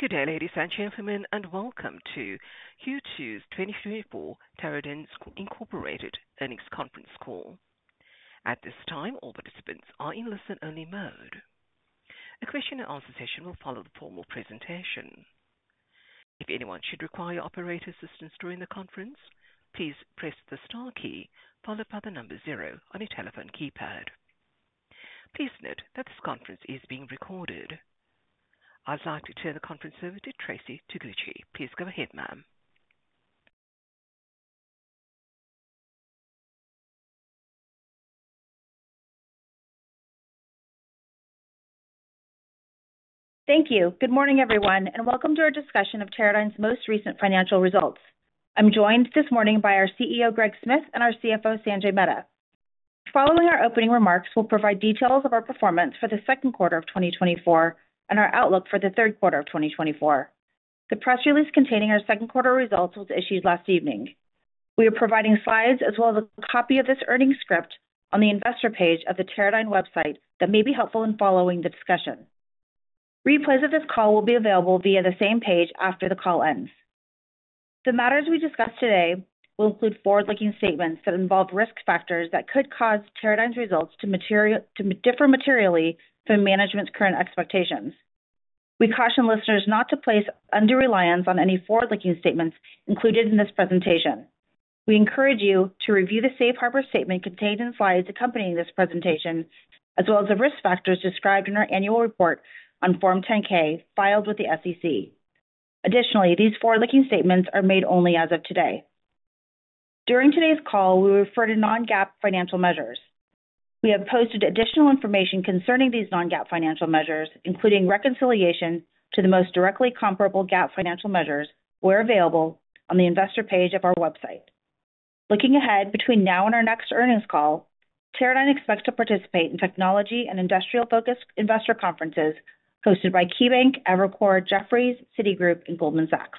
Good day, ladies and gentlemen, and welcome to Q2 2024 Teradyne Incorporated Earnings Conference Call. At this time, all participants are in listen-only mode. A question-and-answer session will follow the formal presentation. If anyone should require operator assistance during the conference, please press the star key followed by the number zero on your telephone keypad. Please note that this conference is being recorded. I'd like to turn the conference over to Traci Tsuchiguchi. Please go ahead, ma'am. Thank you. Good morning, everyone, and welcome to our discussion of Teradyne's most recent financial results. I'm joined this morning by our CEO, Greg Smith, and our CFO, Sanjay Mehta. Following our opening remarks, we'll provide details of our performance for the second quarter of 2024 and our outlook for the third quarter of 2024. The press release containing our second quarter results was issued last evening. We are providing slides as well as a copy of this earnings script on the investor page of the Teradyne website that may be helpful in following the discussion. Replays of this call will be available via the same page after the call ends. The matters we discuss today will include forward-looking statements that involve risk factors that could cause Teradyne's results to differ materially from management's current expectations. We caution listeners not to place any reliance on any forward-looking statements included in this presentation. We encourage you to review the Safe Harbor statement contained in slides accompanying this presentation, as well as the risk factors described in our annual report on Form 10-K filed with the SEC. Additionally, these forward-looking statements are made only as of today. During today's call, we refer to non-GAAP financial measures. We have posted additional information concerning these non-GAAP financial measures, including reconciliation to the most directly comparable GAAP financial measures where available on the investor page of our website. Looking ahead between now and our next earnings call, Teradyne expects to participate in technology and industrial-focused investor conferences hosted by KeyBanc, Evercore, Jefferies, Citigroup, and Goldman Sachs.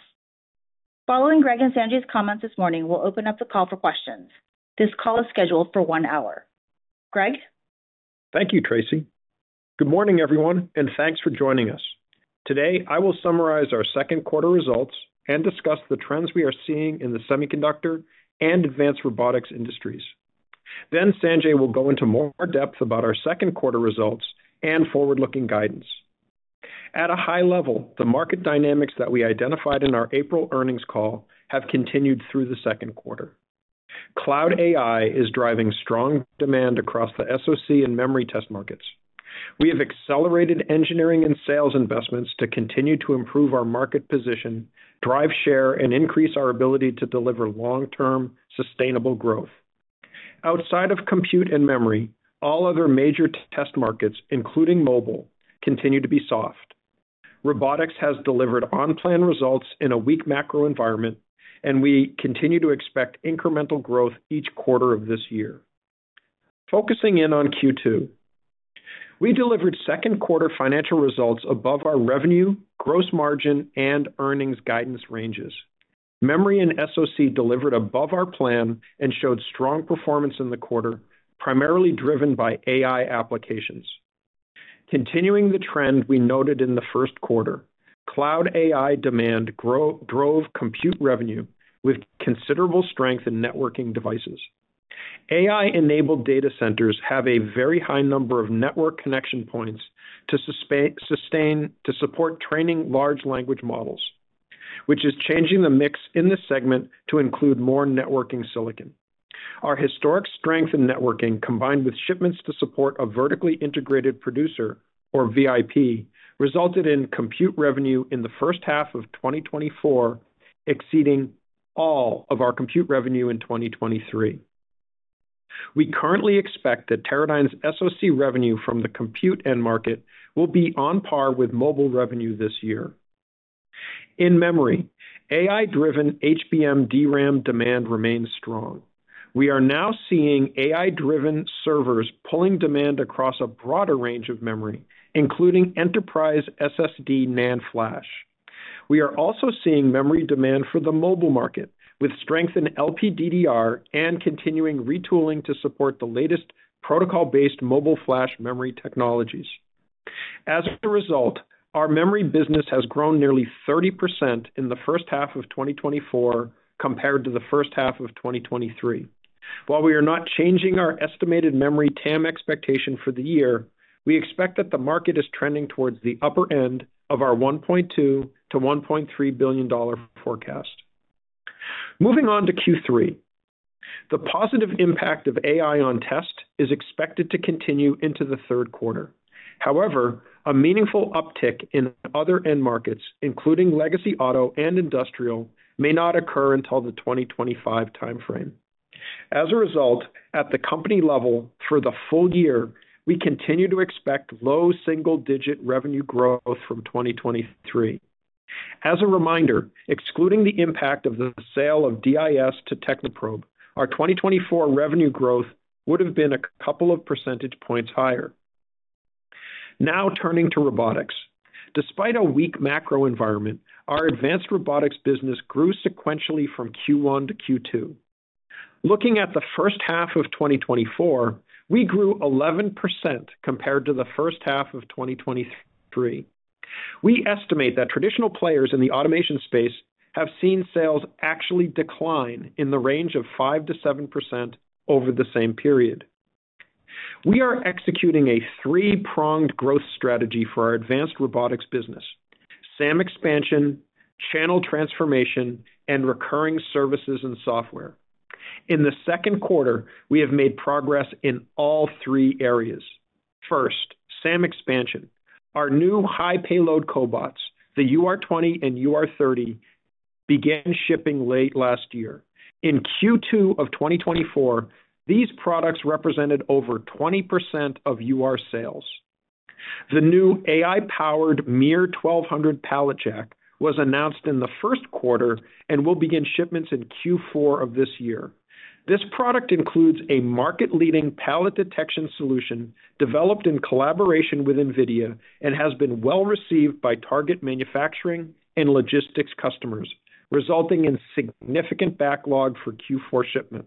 Following Greg and Sanjay's comments this morning, we'll open up the call for questions. This call is scheduled for one hour. Greg? Thank you, Traci. Good morning, everyone, and thanks for joining us. Today, I will summarize our second quarter results and discuss the trends we are seeing in the semiconductor and advanced robotics industries. Then Sanjay will go into more depth about our second quarter results and forward-looking guidance. At a high level, the market dynamics that we identified in our April earnings call have continued through the second quarter. Cloud AI is driving strong demand across the SoC and memory test markets. We have accelerated engineering and sales investments to continue to improve our market position, drive share, and increase our ability to deliver long-term sustainable growth. Outside of compute and memory, all other major test markets, including mobile, continue to be soft. Robotics has delivered on-plan results in a weak macro environment, and we continue to expect incremental growth each quarter of this year. Focusing in on Q2, we delivered second quarter financial results above our revenue, gross margin, and earnings guidance ranges. Memory and SoC delivered above our plan and showed strong performance in the quarter, primarily driven by AI applications. Continuing the trend we noted in the first quarter, cloud AI demand drove compute revenue with considerable strength in networking devices. AI-enabled data centers have a very high number of network connection points to support training large language models, which is changing the mix in this segment to include more networking silicon. Our historic strength in networking, combined with shipments to support a vertically integrated producer, or VIP, resulted in compute revenue in the first half of 2024 exceeding all of our compute revenue in 2023. We currently expect that Teradyne's SoC revenue from the compute end market will be on par with mobile revenue this year. In memory, AI-driven HBM DRAM demand remains strong. We are now seeing AI-driven servers pulling demand across a broader range of memory, including enterprise SSD NAND flash. We are also seeing memory demand for the mobile market with strength in LPDDR and continuing retooling to support the latest protocol-based mobile flash memory technologies. As a result, our memory business has grown nearly 30% in the first half of 2024 compared to the first half of 2023. While we are not changing our estimated memory TAM expectation for the year, we expect that the market is trending towards the upper end of our $1.2 billion-$1.3 billion forecast. Moving on to Q3, the positive impact of AI on test is expected to continue into the third quarter. However, a meaningful uptick in other end markets, including legacy auto and industrial, may not occur until the 2025 timeframe. As a result, at the company level for the full year, we continue to expect low single-digit revenue growth from 2023. As a reminder, excluding the impact of the sale of DIS to Technoprobe, our 2024 revenue growth would have been a couple of percentage points higher. Now turning to robotics, despite a weak macro environment, our advanced robotics business grew sequentially from Q1 to Q2. Looking at the first half of 2024, we grew 11% compared to the first half of 2023. We estimate that traditional players in the automation space have seen sales actually decline in the range of 5%-7% over the same period. We are executing a three-pronged growth strategy for our advanced robotics business: SAM expansion, channel transformation, and recurring services and software. In the second quarter, we have made progress in all three areas. First, SAM expansion. Our new high-payload cobots, the UR20 and UR30, began shipping late last year. In Q2 of 2024, these products represented over 20% of UR sales. The new AI-powered MiR1200 Pallet Jack was announced in the first quarter and will begin shipments in Q4 of this year. This product includes a market-leading pallet detection solution developed in collaboration with NVIDIA and has been well received by target manufacturing and logistics customers, resulting in significant backlog for Q4 shipment.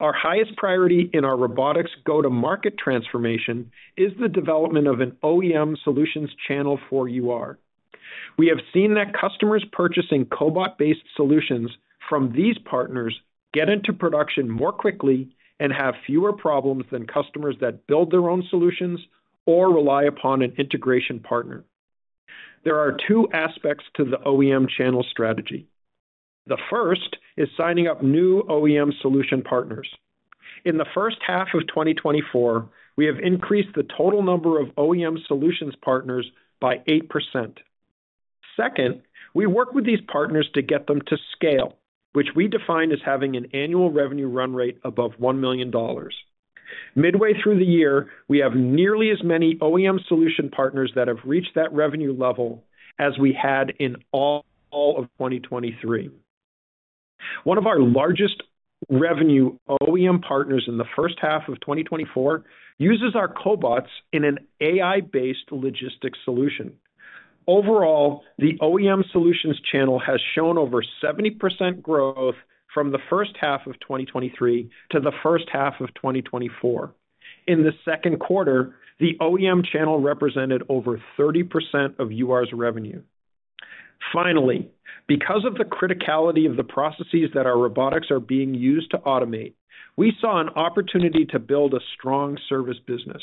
Our highest priority in our robotics go-to-market transformation is the development of an OEM solutions channel for UR. We have seen that customers purchasing cobot-based solutions from these partners get into production more quickly and have fewer problems than customers that build their own solutions or rely upon an integration partner. There are two aspects to the OEM channel strategy. The first is signing up new OEM solution partners. In the first half of 2024, we have increased the total number of OEM solutions partners by 8%. Second, we work with these partners to get them to scale, which we define as having an annual revenue run rate above $1 million. Midway through the year, we have nearly as many OEM solution partners that have reached that revenue level as we had in all of 2023. One of our largest revenue OEM partners in the first half of 2024 uses our cobots in an AI-based logistics solution. Overall, the OEM solutions channel has shown over 70% growth from the first half of 2023 to the first half of 2024. In the second quarter, the OEM channel represented over 30% of UR's revenue. Finally, because of the criticality of the processes that our robotics are being used to automate, we saw an opportunity to build a strong service business.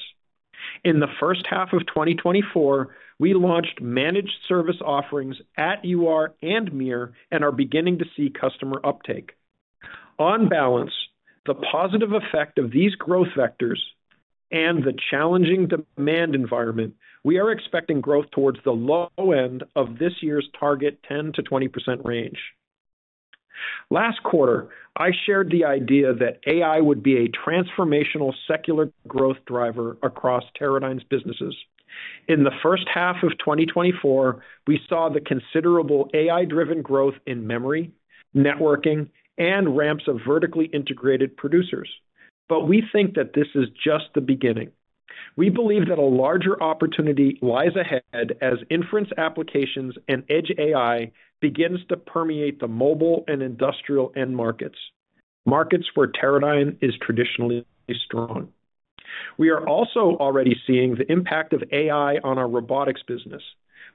In the first half of 2024, we launched managed service offerings at UR and MiR and are beginning to see customer uptake. On balance, the positive effect of these growth vectors and the challenging demand environment, we are expecting growth towards the low end of this year's target 10%-20% range. Last quarter, I shared the idea that AI would be a transformational secular growth driver across Teradyne's businesses. In the first half of 2024, we saw the considerable AI-driven growth in memory, networking, and ramps of vertically integrated producers. But we think that this is just the beginning. We believe that a larger opportunity lies ahead as inference applications and edge AI begin to permeate the mobile and industrial end markets, markets where Teradyne is traditionally strong. We are also already seeing the impact of AI on our robotics business,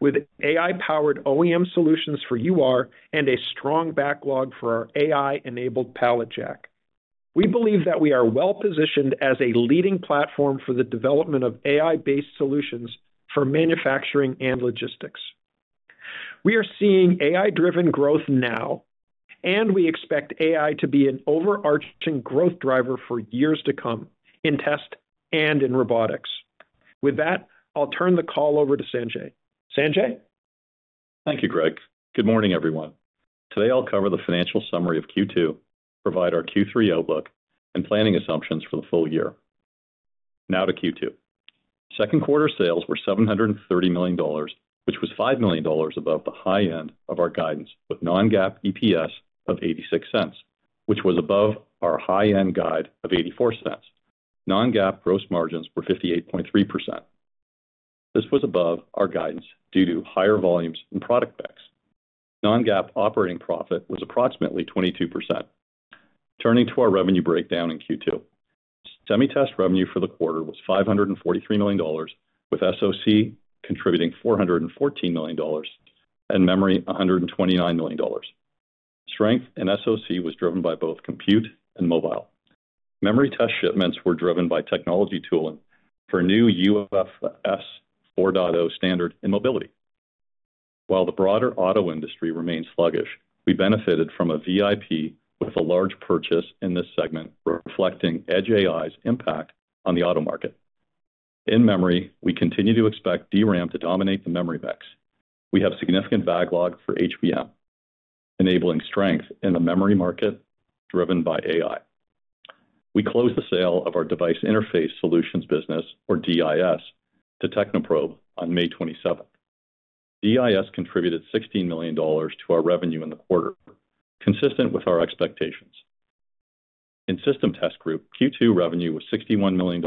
with AI-powered OEM solutions for UR and a strong backlog for our AI-enabled pallet jack. We believe that we are well positioned as a leading platform for the development of AI-based solutions for manufacturing and logistics. We are seeing AI-driven growth now, and we expect AI to be an overarching growth driver for years to come in test and in robotics. With that, I'll turn the call over to Sanjay. Sanjay? Thank you, Greg. Good morning, everyone. Today, I'll cover the financial summary of Q2, provide our Q3 outlook, and planning assumptions for the full year. Now to Q2. Second quarter sales were $730 million, which was $5 million above the high end of our guidance, with non-GAAP EPS of $0.86, which was above our high-end guide of $0.84. Non-GAAP gross margins were 58.3%. This was above our guidance due to higher volumes and product mix. Non-GAAP operating profit was approximately 22%. Turning to our revenue breakdown in Q2, semi-test revenue for the quarter was $543 million, with SoC contributing $414 million and memory $129 million. Strength in SoC was driven by both compute and mobile. Memory test shipments were driven by technology tooling for new UFS 4.0 standard in mobility. While the broader auto industry remained sluggish, we benefited from a VIP with a large purchase in this segment, reflecting edge AI's impact on the auto market. In memory, we continue to expect DRAM to dominate the memory mix. We have significant backlog for HBM, enabling strength in the memory market driven by AI. We closed the sale of our device interface solutions business, or DIS, to Technoprobe on May 27th. DIS contributed $16 million to our revenue in the quarter, consistent with our expectations. In System Test Group, Q2 revenue was $61 million,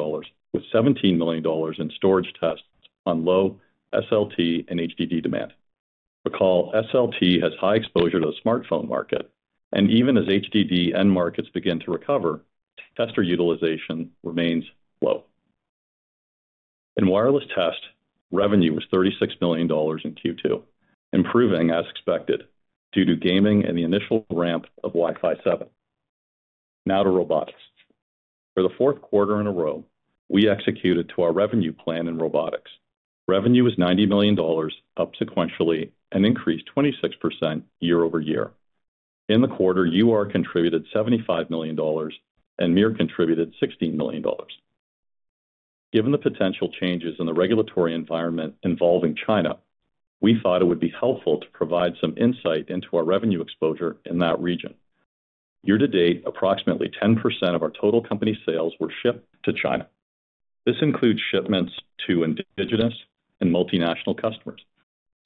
with $17 million in Storage Tests on low SLT and HDD demand. Recall, SLT has high exposure to the smartphone market, and even as HDD end markets begin to recover, tester utilization remains low. In Wireless Test, revenue was $36 million in Q2, improving as expected due to gaming and the initial ramp of Wi-Fi 7. Now to Robotics. For the fourth quarter in a row, we executed to our revenue plan in Robotics. Revenue was $90 million up sequentially and increased 26% year-over-year. In the quarter, UR contributed $75 million and MiR contributed $16 million. Given the potential changes in the regulatory environment involving China, we thought it would be helpful to provide some insight into our revenue exposure in that region. Year to date, approximately 10% of our total company sales were shipped to China. This includes shipments to indigenous and multinational customers.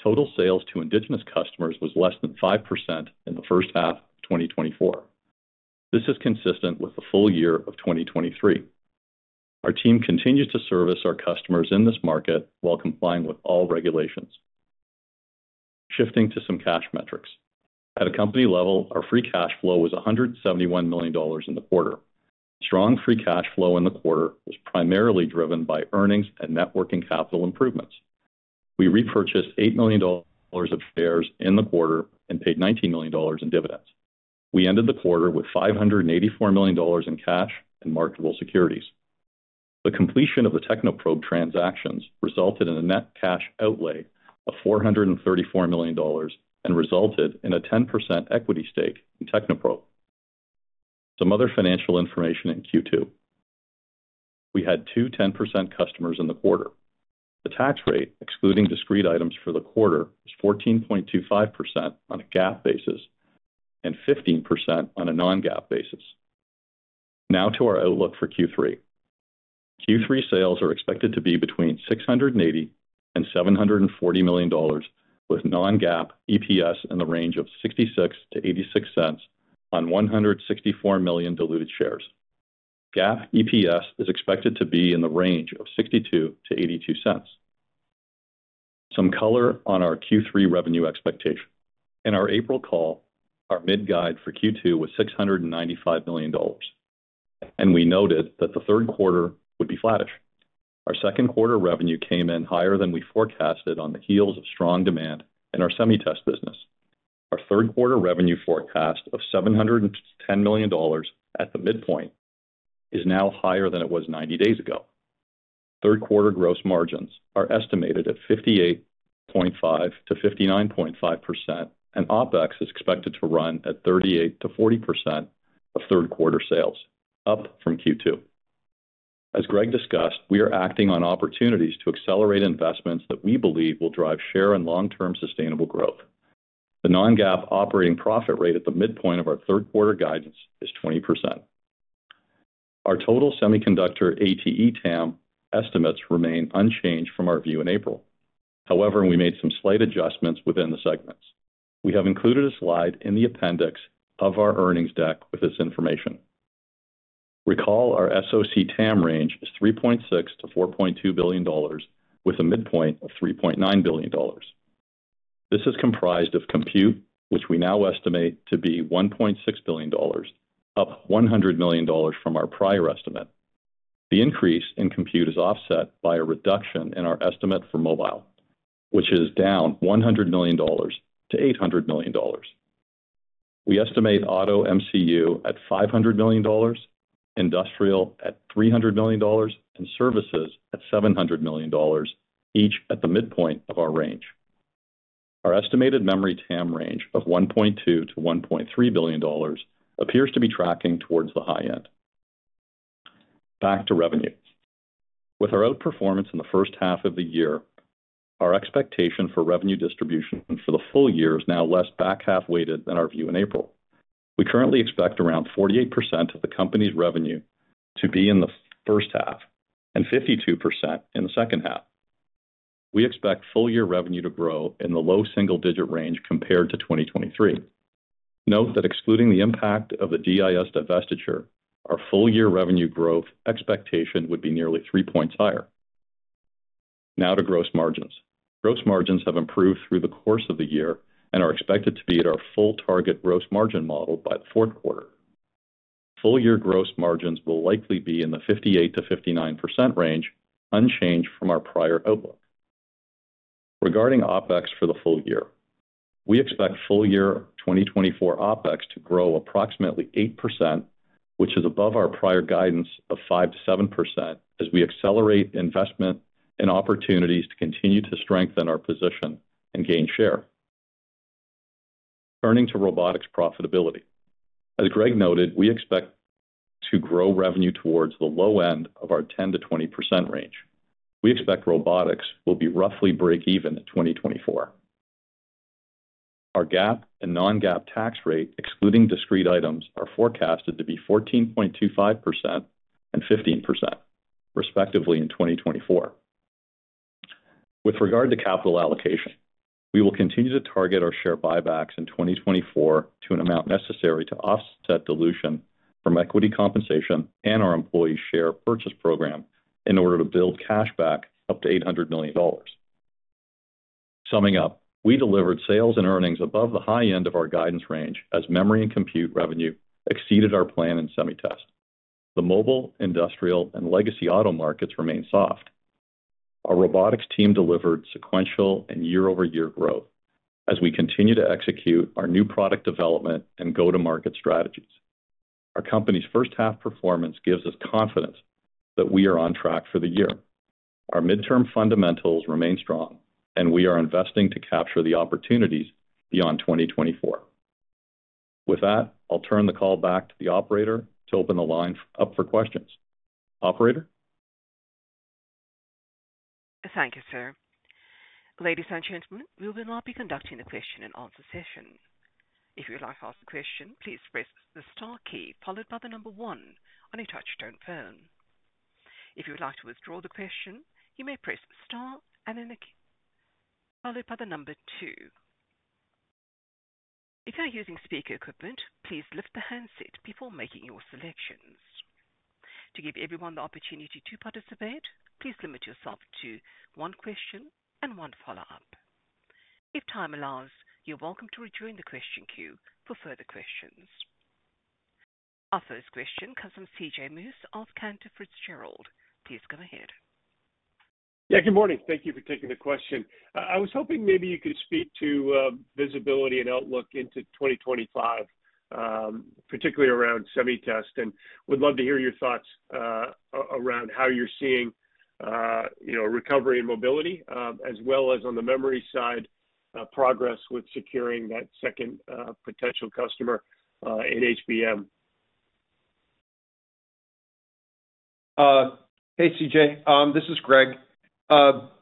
Total sales to indigenous customers was less than 5% in the first half of 2024. This is consistent with the full year of 2023. Our team continues to service our customers in this market while complying with all regulations. Shifting to some cash metrics. At a company level, our free cash flow was $171 million in the quarter. Strong free cash flow in the quarter was primarily driven by earnings and working capital improvements. We repurchased $8 million of shares in the quarter and paid $19 million in dividends. We ended the quarter with $584 million in cash and marketable securities. The completion of the Technoprobe transactions resulted in a net cash outlay of $434 million and resulted in a 10% equity stake in Technoprobe. Some other financial information in Q2. We had two 10% customers in the quarter. The tax rate, excluding discrete items for the quarter, was 14.25% on a GAAP basis and 15% on a non-GAAP basis. Now to our outlook for Q3. Q3 sales are expected to be between $680 million-$740 million, with non-GAAP EPS in the range of $0.66-$0.86 on 164 million diluted shares. GAAP EPS is expected to be in the range of $0.62-$0.82. Some color on our Q3 revenue expectation. In our April call, our mid-guide for Q2 was $695 million, and we noted that the third quarter would be flattish. Our second quarter revenue came in higher than we forecasted on the heels of strong demand in our semi-test business. Our third quarter revenue forecast of $710 million at the midpoint is now higher than it was 90 days ago. Third quarter gross margins are estimated at 58.5%-59.5%, and OpEx is expected to run at 38%-40% of third quarter sales, up from Q2. As Greg discussed, we are acting on opportunities to accelerate investments that we believe will drive share and long-term sustainable growth. The non-GAAP operating profit rate at the midpoint of our third quarter guidance is 20%. Our total semiconductor ATE TAM estimates remain unchanged from our view in April. However, we made some slight adjustments within the segments. We have included a slide in the appendix of our earnings deck with this information. Recall, our SoC TAM range is $3.6-$4.2 billion, with a midpoint of $3.9 billion. This is comprised of compute, which we now estimate to be $1.6 billion, up $100 million from our prior estimate. The increase in compute is offset by a reduction in our estimate for mobile, which is down $100 million to $800 million. We estimate auto MCU at $500 million, industrial at $300 million, and services at $700 million, each at the midpoint of our range. Our estimated memory TAM range of $1.2 billion-$1.3 billion appears to be tracking towards the high end. Back to revenue. With our outperformance in the first half of the year, our expectation for revenue distribution for the full year is now less back half-weighted than our view in April. We currently expect around 48% of the company's revenue to be in the first half and 52% in the second half. We expect full year revenue to grow in the low single-digit range compared to 2023. Note that excluding the impact of the DIS divestiture, our full year revenue growth expectation would be nearly three points higher. Now to gross margins. Gross margins have improved through the course of the year and are expected to be at our full target gross margin model by the fourth quarter. Full year gross margins will likely be in the 58%-59% range, unchanged from our prior outlook. Regarding OpEx for the full year, we expect full year 2024 OpEx to grow approximately 8%, which is above our prior guidance of 5%-7% as we accelerate investment and opportunities to continue to strengthen our position and gain share. Turning to robotics profitability. As Greg noted, we expect to grow revenue towards the low end of our 10%-20% range. We expect robotics will be roughly break-even in 2024. Our GAAP and non-GAAP tax rate, excluding discrete items, are forecasted to be 14.25% and 15%, respectively, in 2024. With regard to capital allocation, we will continue to target our share buybacks in 2024 to an amount necessary to offset dilution from equity compensation and our employee share purchase program in order to build cash back up to $800 million. Summing up, we delivered sales and earnings above the high end of our guidance range as memory and compute revenue exceeded our plan in semi-test. The mobile, industrial, and legacy auto markets remain soft. Our robotics team delivered sequential and year-over-year growth as we continue to execute our new product development and go-to-market strategies. Our company's first half performance gives us confidence that we are on track for the year. Our midterm fundamentals remain strong, and we are investing to capture the opportunities beyond 2024. With that, I'll turn the call back to the operator to open the line up for questions. Operator? Thank you, sir. Ladies and gentlemen, we will now be conducting a question-and-answer session. If you would like to ask a question, please press the star key followed by the number one on your touch-tone phone. If you would like to withdraw the question, you may press star and then the key followed by the number two. If you're using speaker equipment, please lift the handset before making your selections. To give everyone the opportunity to participate, please limit yourself to one question and one follow-up. If time allows, you're welcome to rejoin the question queue for further questions. Our first question comes from C.J. Muse of Cantor Fitzgerald. Please come ahead. Yeah, good morning. Thank you for taking the question. I was hoping maybe you could speak to visibility and outlook into 2025, particularly around semi-test, and would love to hear your thoughts around how you're seeing a recovery in mobility, as well as on the memory side progress with securing that second potential customer in HBM. Hey, C.J. This is Greg.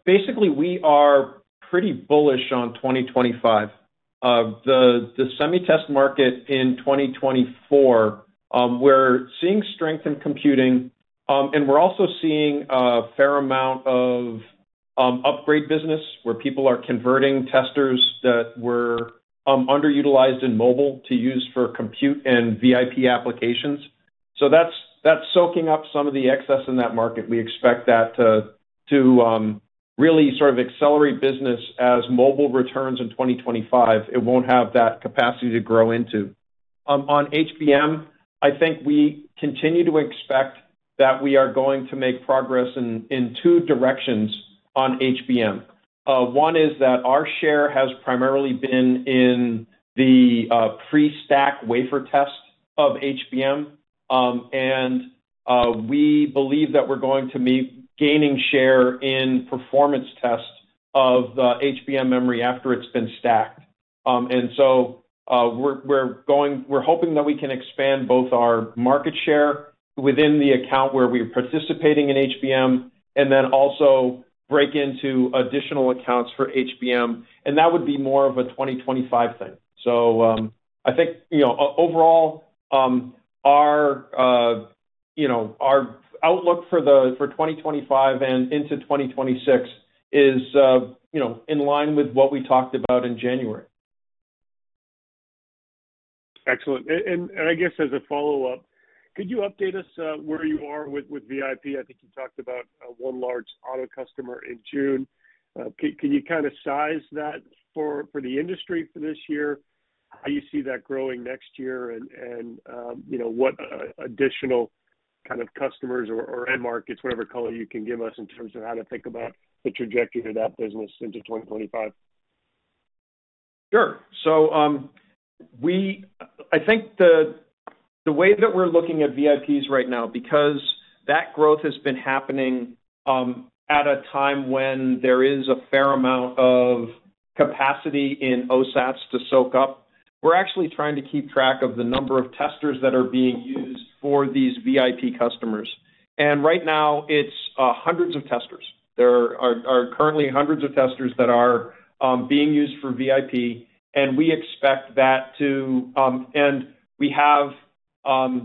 Basically, we are pretty bullish on 2025. The semi-test market in 2024, we're seeing strength in computing, and we're also seeing a fair amount of upgrade business where people are converting testers that were underutilized in mobile to use for compute and VIP applications. So that's soaking up some of the excess in that market. We expect that to really sort of accelerate business as mobile returns in 2025. It won't have that capacity to grow into. On HBM, I think we continue to expect that we are going to make progress in two directions on HBM. One is that our share has primarily been in the pre-stack wafer test of HBM, and we believe that we're going to be gaining share in performance tests of the HBM memory after it's been stacked. We're hoping that we can expand both our market share within the account where we're participating in HBM and then also break into additional accounts for HBM. That would be more of a 2025 thing. I think overall, our outlook for 2025 and into 2026 is in line with what we talked about in January. Excellent. And I guess as a follow-up, could you update us where you are with VIP? I think you talked about one large auto customer in June. Can you kind of size that for the industry for this year? How do you see that growing next year and what additional kind of customers or end markets, whatever color you can give us, in terms of how to think about the trajectory of that business into 2025? Sure. So I think the way that we're looking at VIPs right now, because that growth has been happening at a time when there is a fair amount of capacity in OSATs to soak up, we're actually trying to keep track of the number of testers that are being used for these VIP customers. And right now, it's hundreds of testers. There are currently hundreds of testers that are being used for VIP, and we expect that to, and we have a,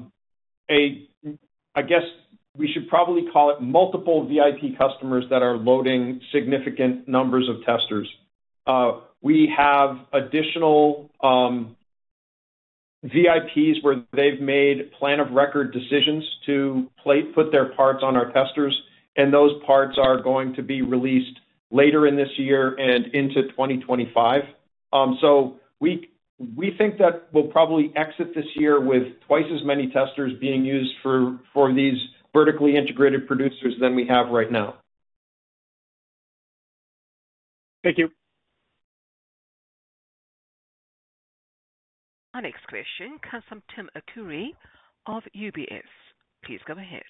I guess we should probably call it multiple VIP customers that are loading significant numbers of testers. We have additional VIPs where they've made plan of record decisions to put their parts on our testers, and those parts are going to be released later in this year and into 2025. So we think that we'll probably exit this year with twice as many testers being used for these vertically integrated producers than we have right now. Thank you. Our next question comes from Tim Arcuri of UBS. Please come ahead.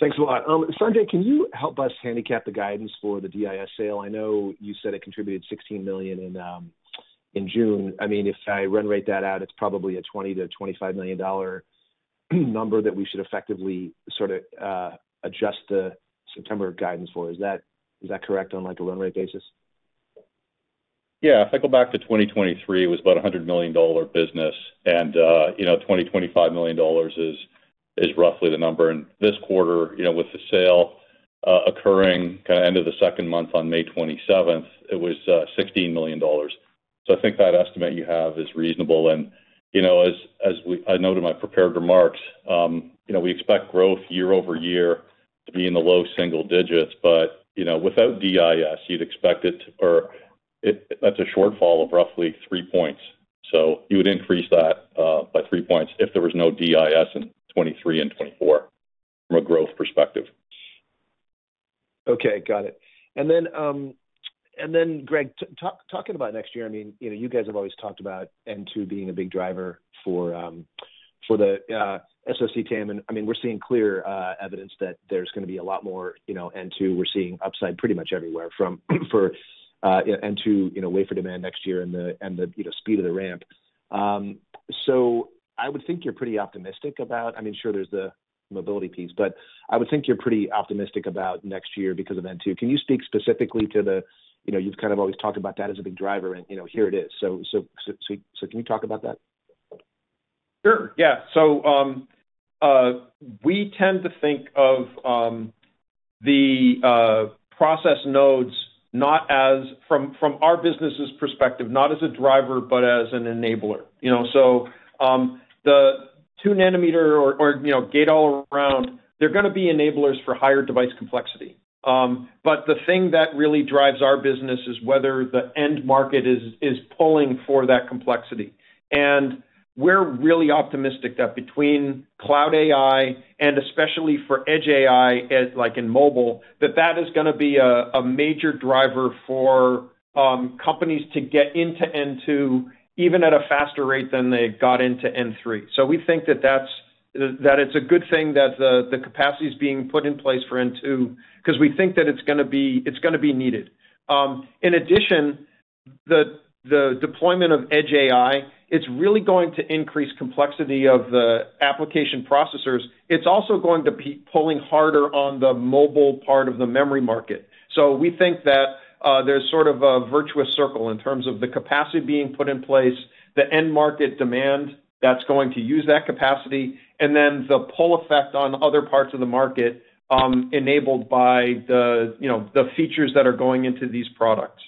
Thanks a lot. Sanjay, can you help us handicap the guidance for the DIS sale? I know you said it contributed $16 million in June. I mean, if I run rate that out, it's probably a $20 million-$25 million number that we should effectively sort of adjust the September guidance for. Is that correct on a run rate basis? Yeah. If I go back to 2023, it was about a $100 million business, and $20 million-$25 million is roughly the number. And this quarter, with the sale occurring kind of end of the second month on May 27th, it was $16 million. So I think that estimate you have is reasonable. And as I noted in my prepared remarks, we expect growth year-over-year to be in the low single digits, but without DIS, you'd expect it to, or that's a shortfall of roughly three points. So you would increase that by three points if there was no DIS in 2023 and 2024 from a growth perspective. Okay. Got it. And then, Greg, talking about next year, I mean, you guys have always talked about N2 being a big driver for the SoC TAM. And I mean, we're seeing clear evidence that there's going to be a lot more N2. We're seeing upside pretty much everywhere for N2 wafer demand next year and the speed of the ramp. So I would think you're pretty optimistic about next year because of N2. Can you speak specifically to the, you've kind of always talked about that as a big driver, and here it is. So can you talk about that? Sure. Yeah. So we tend to think of the process nodes from our business's perspective, not as a driver, but as an enabler. So the 2-nanometer or Gate-All-Around, they're going to be enablers for higher device complexity. But the thing that really drives our business is whether the end market is pulling for that complexity. And we're really optimistic that between cloud AI and especially for edge AI in mobile, that that is going to be a major driver for companies to get into N2 even at a faster rate than they got into N3. So we think that it's a good thing that the capacity is being put in place for N2 because we think that it's going to be needed. In addition, the deployment of edge AI, it's really going to increase complexity of the application processors. It's also going to be pulling harder on the mobile part of the memory market. So we think that there's sort of a virtuous circle in terms of the capacity being put in place, the end market demand that's going to use that capacity, and then the pull effect on other parts of the market enabled by the features that are going into these products.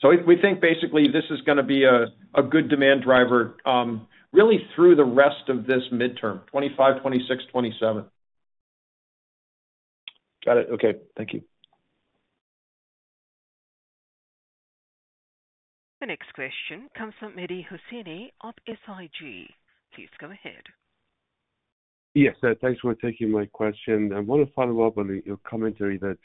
So we think basically this is going to be a good demand driver really through the rest of this midterm, 2025, 2026, 2027. Got it. Okay. Thank you. The next question comes from Mehdi Hosseini of SIG. Please come ahead. Yes. Thanks for taking my question. I want to follow up on your commentary that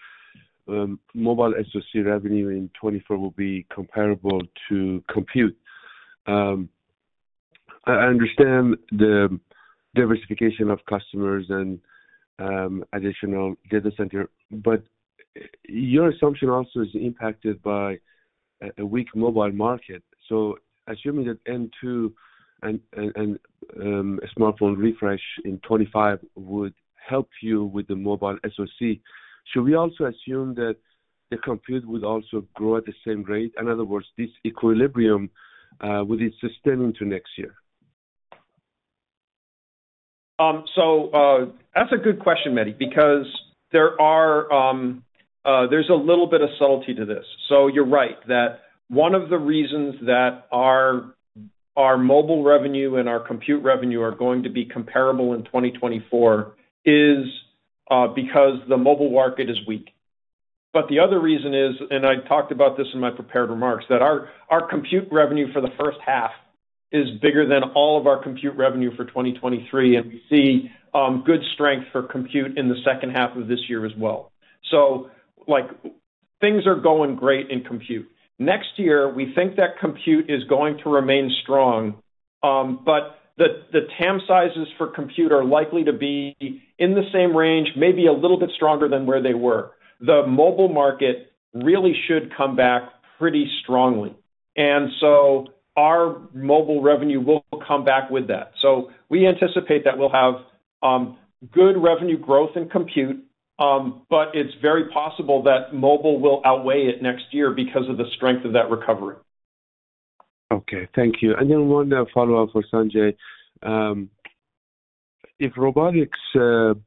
mobile SoC revenue in 2024 will be comparable to compute. I understand the diversification of customers and additional data center, but your assumption also is impacted by a weak mobile market. So assuming that N2 and smartphone refresh in 2025 would help you with the mobile SoC, should we also assume that the compute would also grow at the same rate? In other words, this equilibrium, will it sustain into next year? So that's a good question, Mehdi, because there's a little bit of subtlety to this. So you're right that one of the reasons that our mobile revenue and our compute revenue are going to be comparable in 2024 is because the mobile market is weak. But the other reason is, and I talked about this in my prepared remarks, that our compute revenue for the first half is bigger than all of our compute revenue for 2023, and we see good strength for compute in the second half of this year as well. So things are going great in compute. Next year, we think that compute is going to remain strong, but the TAM sizes for compute are likely to be in the same range, maybe a little bit stronger than where they were. The mobile market really should come back pretty strongly. So our mobile revenue will come back with that. So we anticipate that we'll have good revenue growth in compute, but it's very possible that mobile will outweigh it next year because of the strength of that recovery. Okay. Thank you. And then one follow-up for Sanjay. If robotics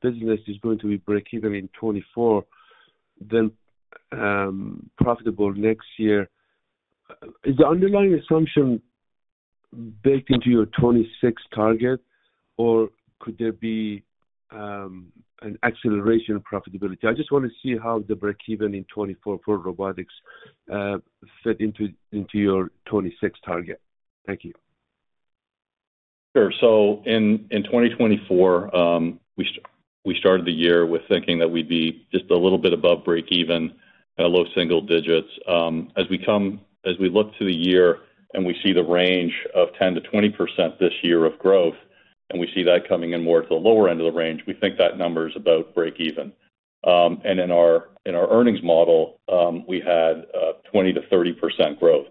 business is going to be breakeven in 2024, then profitable next year, is the underlying assumption baked into your 2026 target, or could there be an acceleration of profitability? I just want to see how the breakeven in 2024 for robotics fit into your 2026 target. Thank you. Sure. So in 2024, we started the year with thinking that we'd be just a little bit above breakeven at low single digits. As we look to the year and we see the range of 10%-20% this year of growth, and we see that coming in more to the lower end of the range, we think that number is about breakeven. And in our earnings model, we had 20%-30% growth.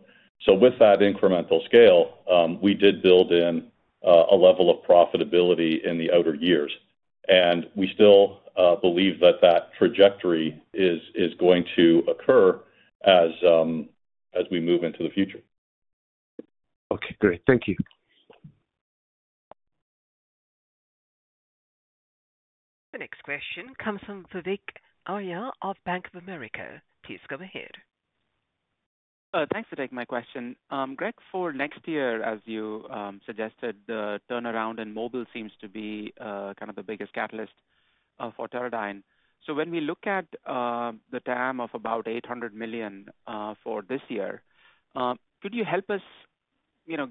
So with that incremental scale, we did build in a level of profitability in the outer years. And we still believe that that trajectory is going to occur as we move into the future. Okay. Great. Thank you. The next question comes from Vivek Arya of Bank of America. Please go ahead. Thanks for taking my question. Greg, for next year, as you suggested, the turnaround in mobile seems to be kind of the biggest catalyst for Teradyne. So when we look at the TAM of about $800 million for this year, could you help us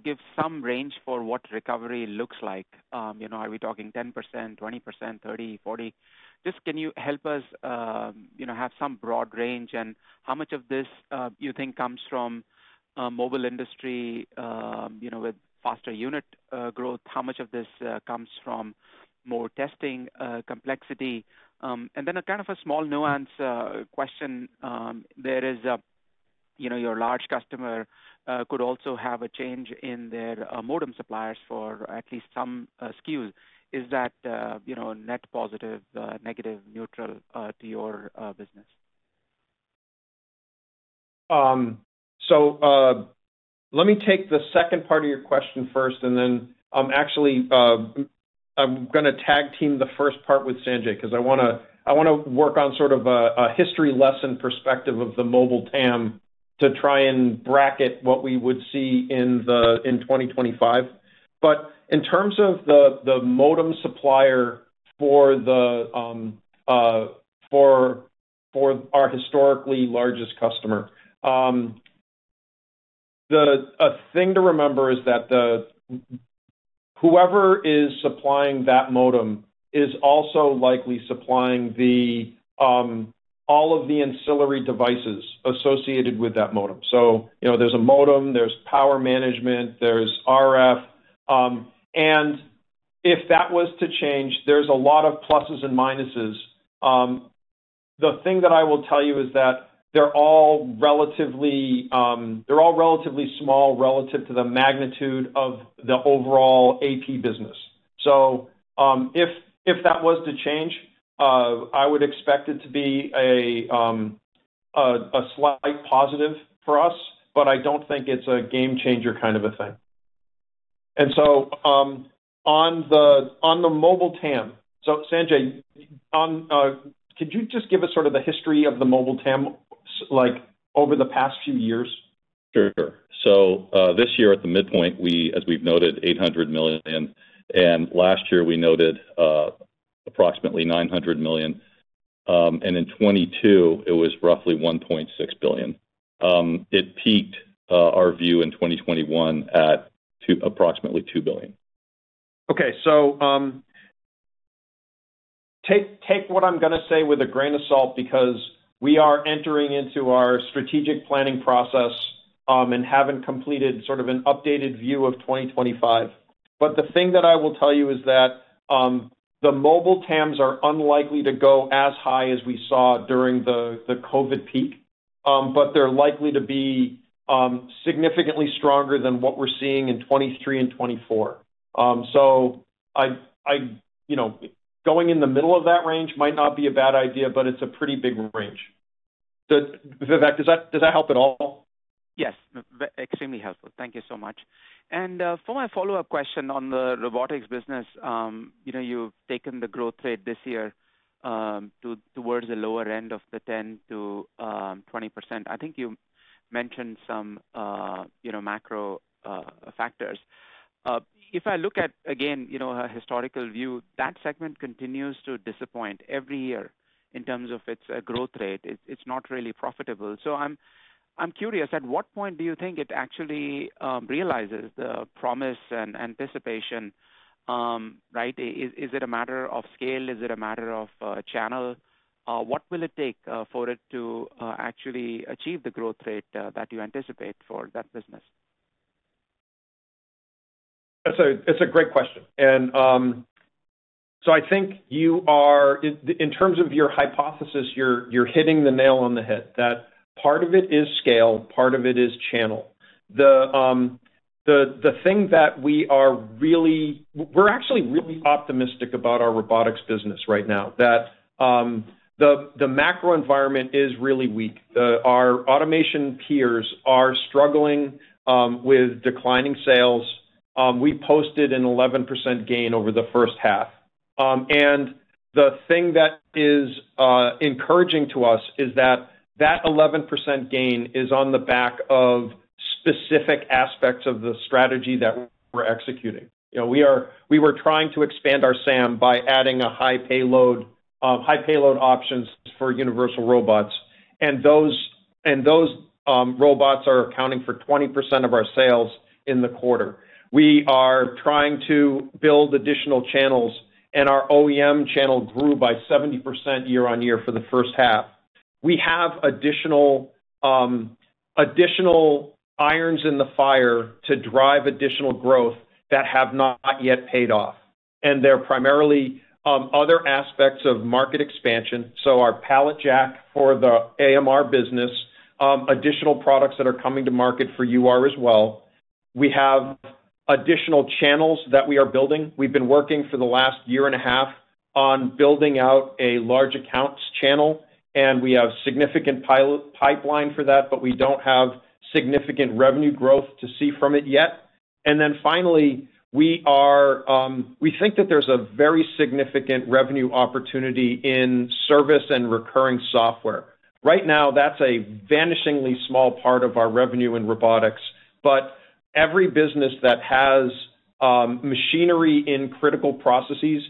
give some range for what recovery looks like? Are we talking 10%, 20%, 30%, 40%? Just can you help us have some broad range? And how much of this you think comes from mobile industry with faster unit growth? How much of this comes from more testing complexity? And then kind of a small nuance question there is your large customer could also have a change in their modem suppliers for at least some SKUs. Is that net positive, negative, neutral to your business? So let me take the second part of your question first, and then actually I'm going to tag team the first part with Sanjay because I want to work on sort of a history lesson perspective of the mobile TAM to try and bracket what we would see in 2025. But in terms of the modem supplier for our historically largest customer, a thing to remember is that whoever is supplying that modem is also likely supplying all of the ancillary devices associated with that modem. So there's a modem, there's power management, there's RF. And if that was to change, there's a lot of pluses and minuses. The thing that I will tell you is that they're all relatively small relative to the magnitude of the overall AP business. If that was to change, I would expect it to be a slight positive for us, but I don't think it's a game changer kind of a thing. On the mobile TAM, so Sanjay, could you just give us sort of the history of the mobile TAM over the past few years? Sure. So this year at the midpoint, as we've noted, $800 million. And last year we noted approximately $900 million. And in 2022, it was roughly $1.6 billion. It peaked our view in 2021 at approximately $2 billion. Okay. So take what I'm going to say with a grain of salt because we are entering into our strategic planning process and haven't completed sort of an updated view of 2025. But the thing that I will tell you is that the mobile TAMs are unlikely to go as high as we saw during the COVID peak, but they're likely to be significantly stronger than what we're seeing in 2023 and 2024. So going in the middle of that range might not be a bad idea, but it's a pretty big range. Vivek, does that help at all? Yes. Extremely helpful. Thank you so much. For my follow-up question on the robotics business, you've taken the growth rate this year towards the lower end of the 10%-20%. I think you mentioned some macro factors. If I look at, again, a historical view, that segment continues to disappoint every year in terms of its growth rate. It's not really profitable. So I'm curious, at what point do you think it actually realizes the promise and anticipation, right? Is it a matter of scale? Is it a matter of channel? What will it take for it to actually achieve the growth rate that you anticipate for that business? That's a great question. And so I think you are, in terms of your hypothesis, you're hitting the nail on the head. That part of it is scale, part of it is channel. The thing that we are really, we're actually really optimistic about our robotics business right now, that the macro environment is really weak. Our automation peers are struggling with declining sales. We posted an 11% gain over the first half. And the thing that is encouraging to us is that that 11% gain is on the back of specific aspects of the strategy that we're executing. We were trying to expand our SAM by adding high payload options for Universal Robots. And those robots are accounting for 20% of our sales in the quarter. We are trying to build additional channels, and our OEM channel grew by 70% year-on-year for the first half. We have additional irons in the fire to drive additional growth that have not yet paid off. They're primarily other aspects of market expansion. So our pallet jack for the AMR business, additional products that are coming to market for UR as well. We have additional channels that we are building. We've been working for the last year and a half on building out a large accounts channel, and we have significant pipeline for that, but we don't have significant revenue growth to see from it yet. Then finally, we think that there's a very significant revenue opportunity in service and recurring software. Right now, that's a vanishingly small part of our revenue in robotics, but every business that has machinery in critical processes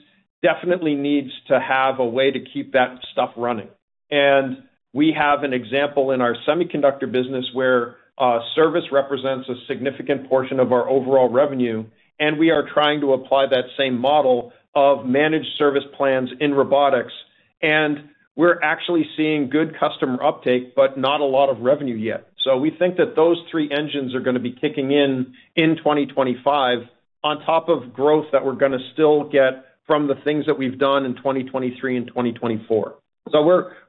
definitely needs to have a way to keep that stuff running. We have an example in our semiconductor business where service represents a significant portion of our overall revenue, and we are trying to apply that same model of managed service plans in robotics. We're actually seeing good customer uptake, but not a lot of revenue yet. We think that those three engines are going to be kicking in in 2025 on top of growth that we're going to still get from the things that we've done in 2023 and 2024.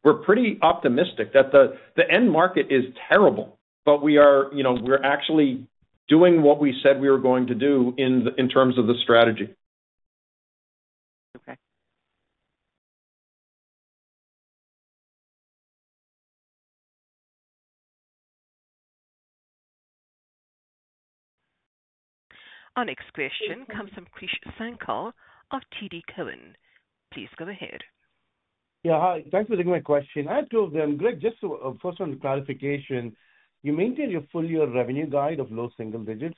We're pretty optimistic that the end market is terrible, but we're actually doing what we said we were going to do in terms of the strategy. Okay. Our next question comes from Krish Sankar of TD Cowen. Please come ahead. Yeah. Hi. Thanks for taking my question. I have two of them. Greg, just a first round of clarification. You maintain your full-year revenue guide of low single digits,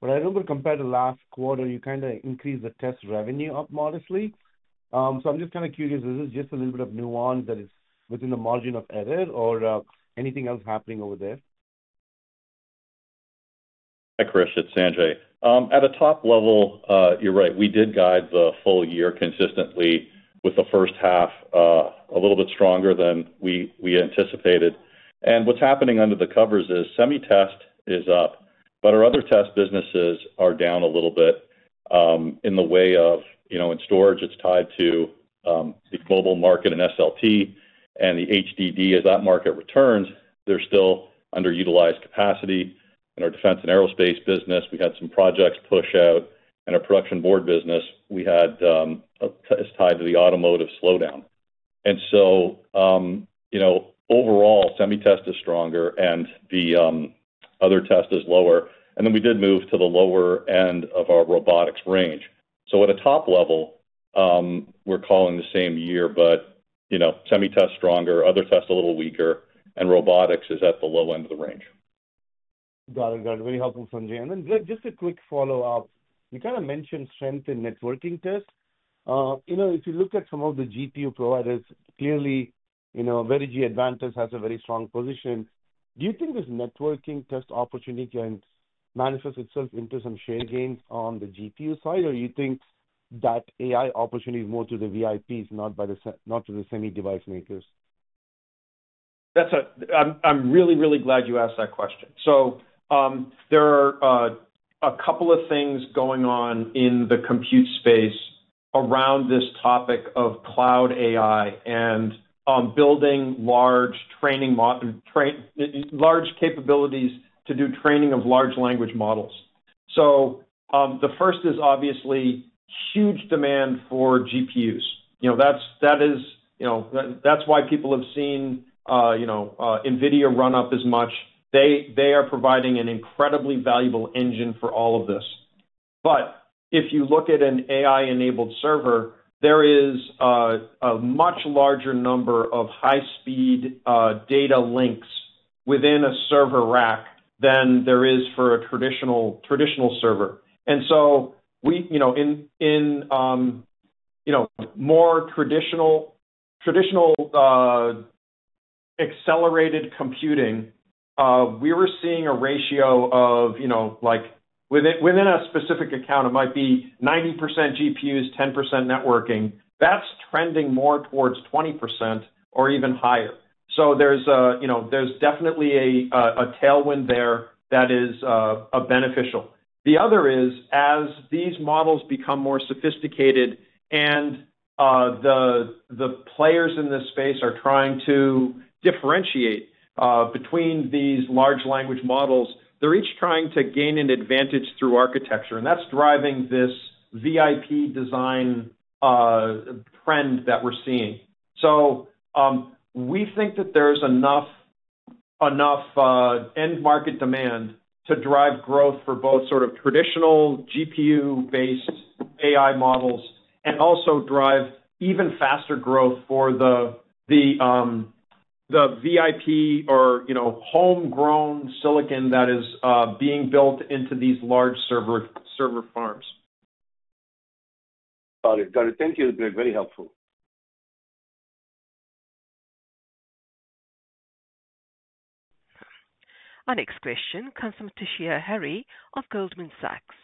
but I remember compared to last quarter, you kind of increased the test revenue up modestly. So I'm just kind of curious, is this just a little bit of nuance that is within the margin of error or anything else happening over there? Hi, Krish. It's Sanjay. At a top level, you're right. We did guide the full year consistently with the first half a little bit stronger than we anticipated. And what's happening under the covers is semi-test is up, but our other test businesses are down a little bit in the way of, in storage. It's tied to the global market and SLT. And the HDD, as that market returns, they're still underutilized capacity. In our Defense and Aerospace business, we had some projects push out. In our Production Board business, we had a test tied to the automotive slowdown. And so overall, semi-test is stronger and the other test is lower. And then we did move to the lower end of our robotics range. So at a top level, we're calling the same year, but semi-test stronger, other test a little weaker, and robotics is at the low end of the range. Got it. Got it. Very helpful, Sanjay. And then, Greg, just a quick follow-up. You kind of mentioned strength in networking tests. If you look at some of the GPU providers, clearly Advantest has a very strong position. Do you think this networking test opportunity can manifest itself into some share gains on the GPU side, or do you think that AI opportunity is more to the VIPs, not to the semi-device makers? I'm really, really glad you asked that question. So there are a couple of things going on in the compute space around this topic of cloud AI and building large capabilities to do training of large language models. So the first is obviously huge demand for GPUs. That's why people have seen NVIDIA run up as much. They are providing an incredibly valuable engine for all of this. But if you look at an AI-enabled server, there is a much larger number of high-speed data links within a server rack than there is for a traditional server. And so in more traditional accelerated computing, we were seeing a ratio of within a specific account, it might be 90% GPUs, 10% networking. That's trending more towards 20% or even higher. So there's definitely a tailwind there that is beneficial. The other is, as these models become more sophisticated and the players in this space are trying to differentiate between these large language models, they're each trying to gain an advantage through architecture. That's driving this VIP design trend that we're seeing. We think that there's enough end market demand to drive growth for both sort of traditional GPU-based AI models and also drive even faster growth for the VIP or homegrown silicon that is being built into these large server farms. Got it. Got it. Thank you, Greg. Very helpful. Our next question comes from Toshiya Hari of Goldman Sachs.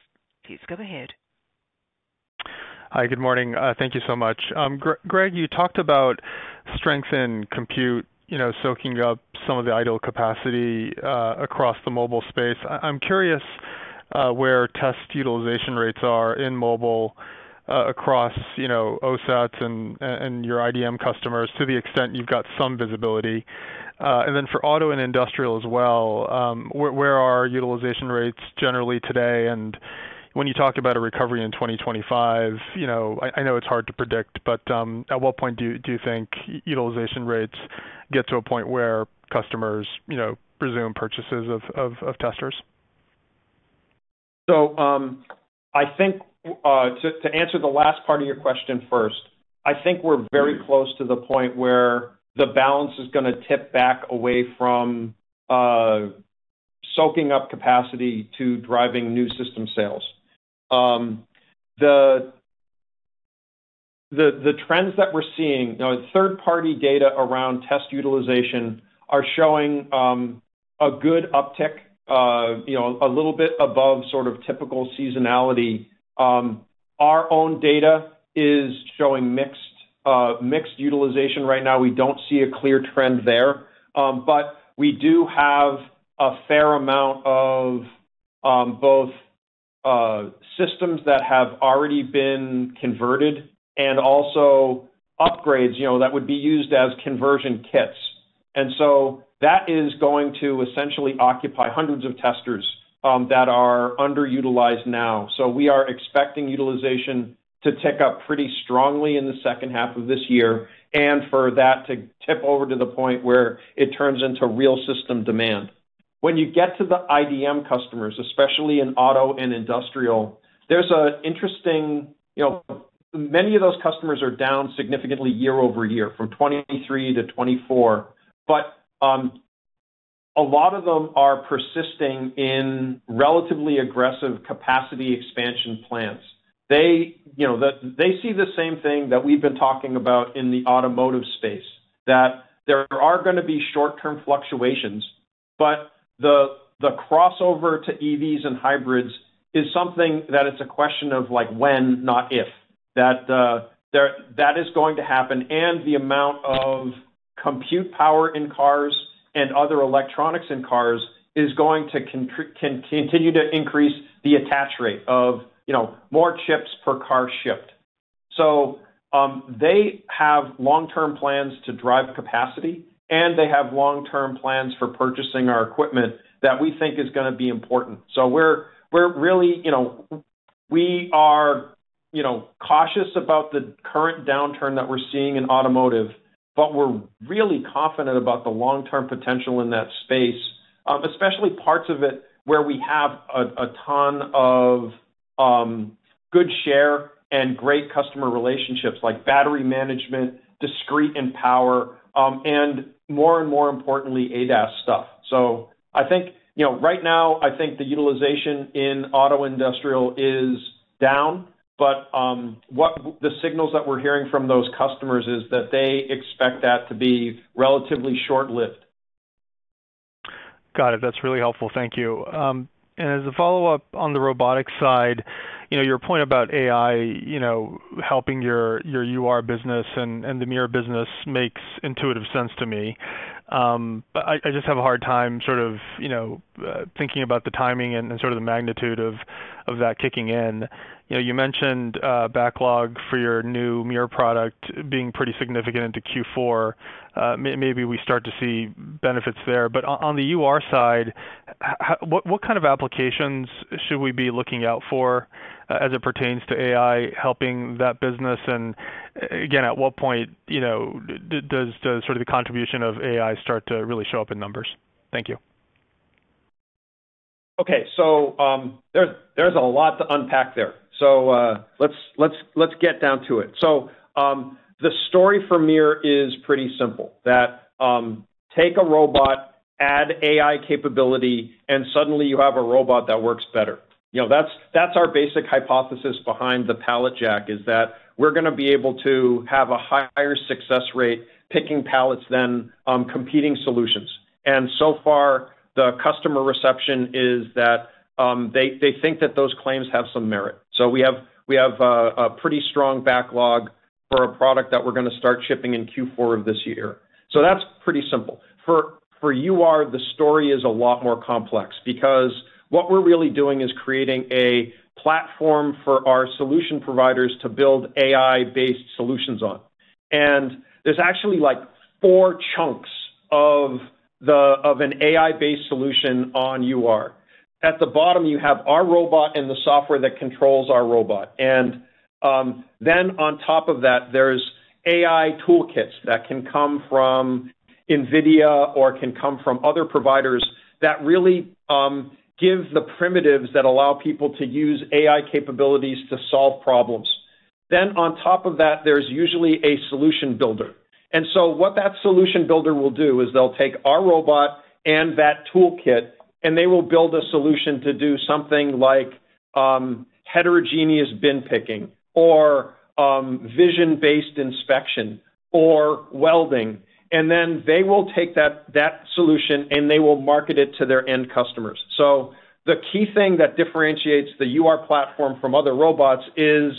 Please go ahead. Hi. Good morning. Thank you so much. Greg, you talked about strength in compute soaking up some of the idle capacity across the mobile space. I'm curious where test utilization rates are in mobile across OSATs and your IDM customers to the extent you've got some visibility. And then for auto and industrial as well, where are utilization rates generally today? And when you talk about a recovery in 2025, I know it's hard to predict, but at what point do you think utilization rates get to a point where customers resume purchases of testers? So I think to answer the last part of your question first, I think we're very close to the point where the balance is going to tip back away from soaking up capacity to driving new system sales. The trends that we're seeing, third-party data around test utilization are showing a good uptick, a little bit above sort of typical seasonality. Our own data is showing mixed utilization right now. We don't see a clear trend there, but we do have a fair amount of both systems that have already been converted and also upgrades that would be used as conversion kits. And so that is going to essentially occupy hundreds of testers that are underutilized now. So we are expecting utilization to tick up pretty strongly in the second half of this year and for that to tip over to the point where it turns into real system demand. When you get to the IDM customers, especially in auto and industrial, there's an interesting many of those customers are down significantly year-over-year from 2023 to 2024, but a lot of them are persisting in relatively aggressive capacity expansion plans. They see the same thing that we've been talking about in the automotive space, that there are going to be short-term fluctuations, but the crossover to EVs and hybrids is something that it's a question of when, not if, that is going to happen. And the amount of compute power in cars and other electronics in cars is going to continue to increase the attach rate of more chips per car shipped. So they have long-term plans to drive capacity, and they have long-term plans for purchasing our equipment that we think is going to be important. So we're really cautious about the current downturn that we're seeing in automotive, but we're really confident about the long-term potential in that space, especially parts of it where we have a ton of good share and great customer relationships like battery management, discrete and power, and more and more importantly, ADAS stuff. So I think right now, I think the utilization in auto industrial is down, but the signals that we're hearing from those customers is that they expect that to be relatively short-lived. Got it. That's really helpful. Thank you. And as a follow-up on the robotics side, your point about AI helping your UR business and the MiR business makes intuitive sense to me. But I just have a hard time sort of thinking about the timing and sort of the magnitude of that kicking in. You mentioned backlog for your new MiR product being pretty significant into Q4. Maybe we start to see benefits there. But on the UR side, what kind of applications should we be looking out for as it pertains to AI helping that business? And again, at what point does sort of the contribution of AI start to really show up in numbers? Thank you. Okay. So there's a lot to unpack there. So let's get down to it. So the story for MiR is pretty simple: take a robot, add AI capability, and suddenly you have a robot that works better. That's our basic hypothesis behind the pallet jack, is that we're going to be able to have a higher success rate picking pallets than competing solutions. And so far, the customer reception is that they think that those claims have some merit. So we have a pretty strong backlog for a product that we're going to start shipping in Q4 of this year. So that's pretty simple. For UR, the story is a lot more complex because what we're really doing is creating a platform for our solution providers to build AI-based solutions on. And there's actually four chunks of an AI-based solution on UR. At the bottom, you have our robot and the software that controls our robot. Then on top of that, there's AI toolkits that can come from NVIDIA or can come from other providers that really give the primitives that allow people to use AI capabilities to solve problems. Then on top of that, there's usually a solution builder. So what that solution builder will do is they'll take our robot and that toolkit, and they will build a solution to do something like heterogeneous bin picking or vision-based inspection or welding. Then they will take that solution and they will market it to their end customers. So the key thing that differentiates the UR platform from other robots is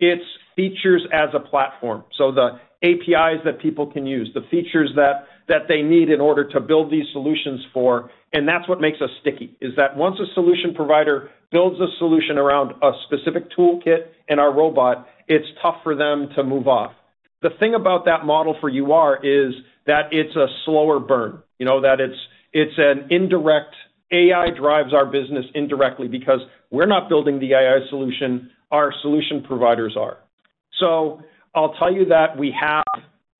its features as a platform. So the APIs that people can use, the features that they need in order to build these solutions for. That's what makes us sticky, is that once a solution provider builds a solution around a specific toolkit and our robot, it's tough for them to move off. The thing about that model for UR is that it's a slower burn, that it's an indirect AI drives our business indirectly because we're not building the AI solution. Our solution providers are. So I'll tell you that we have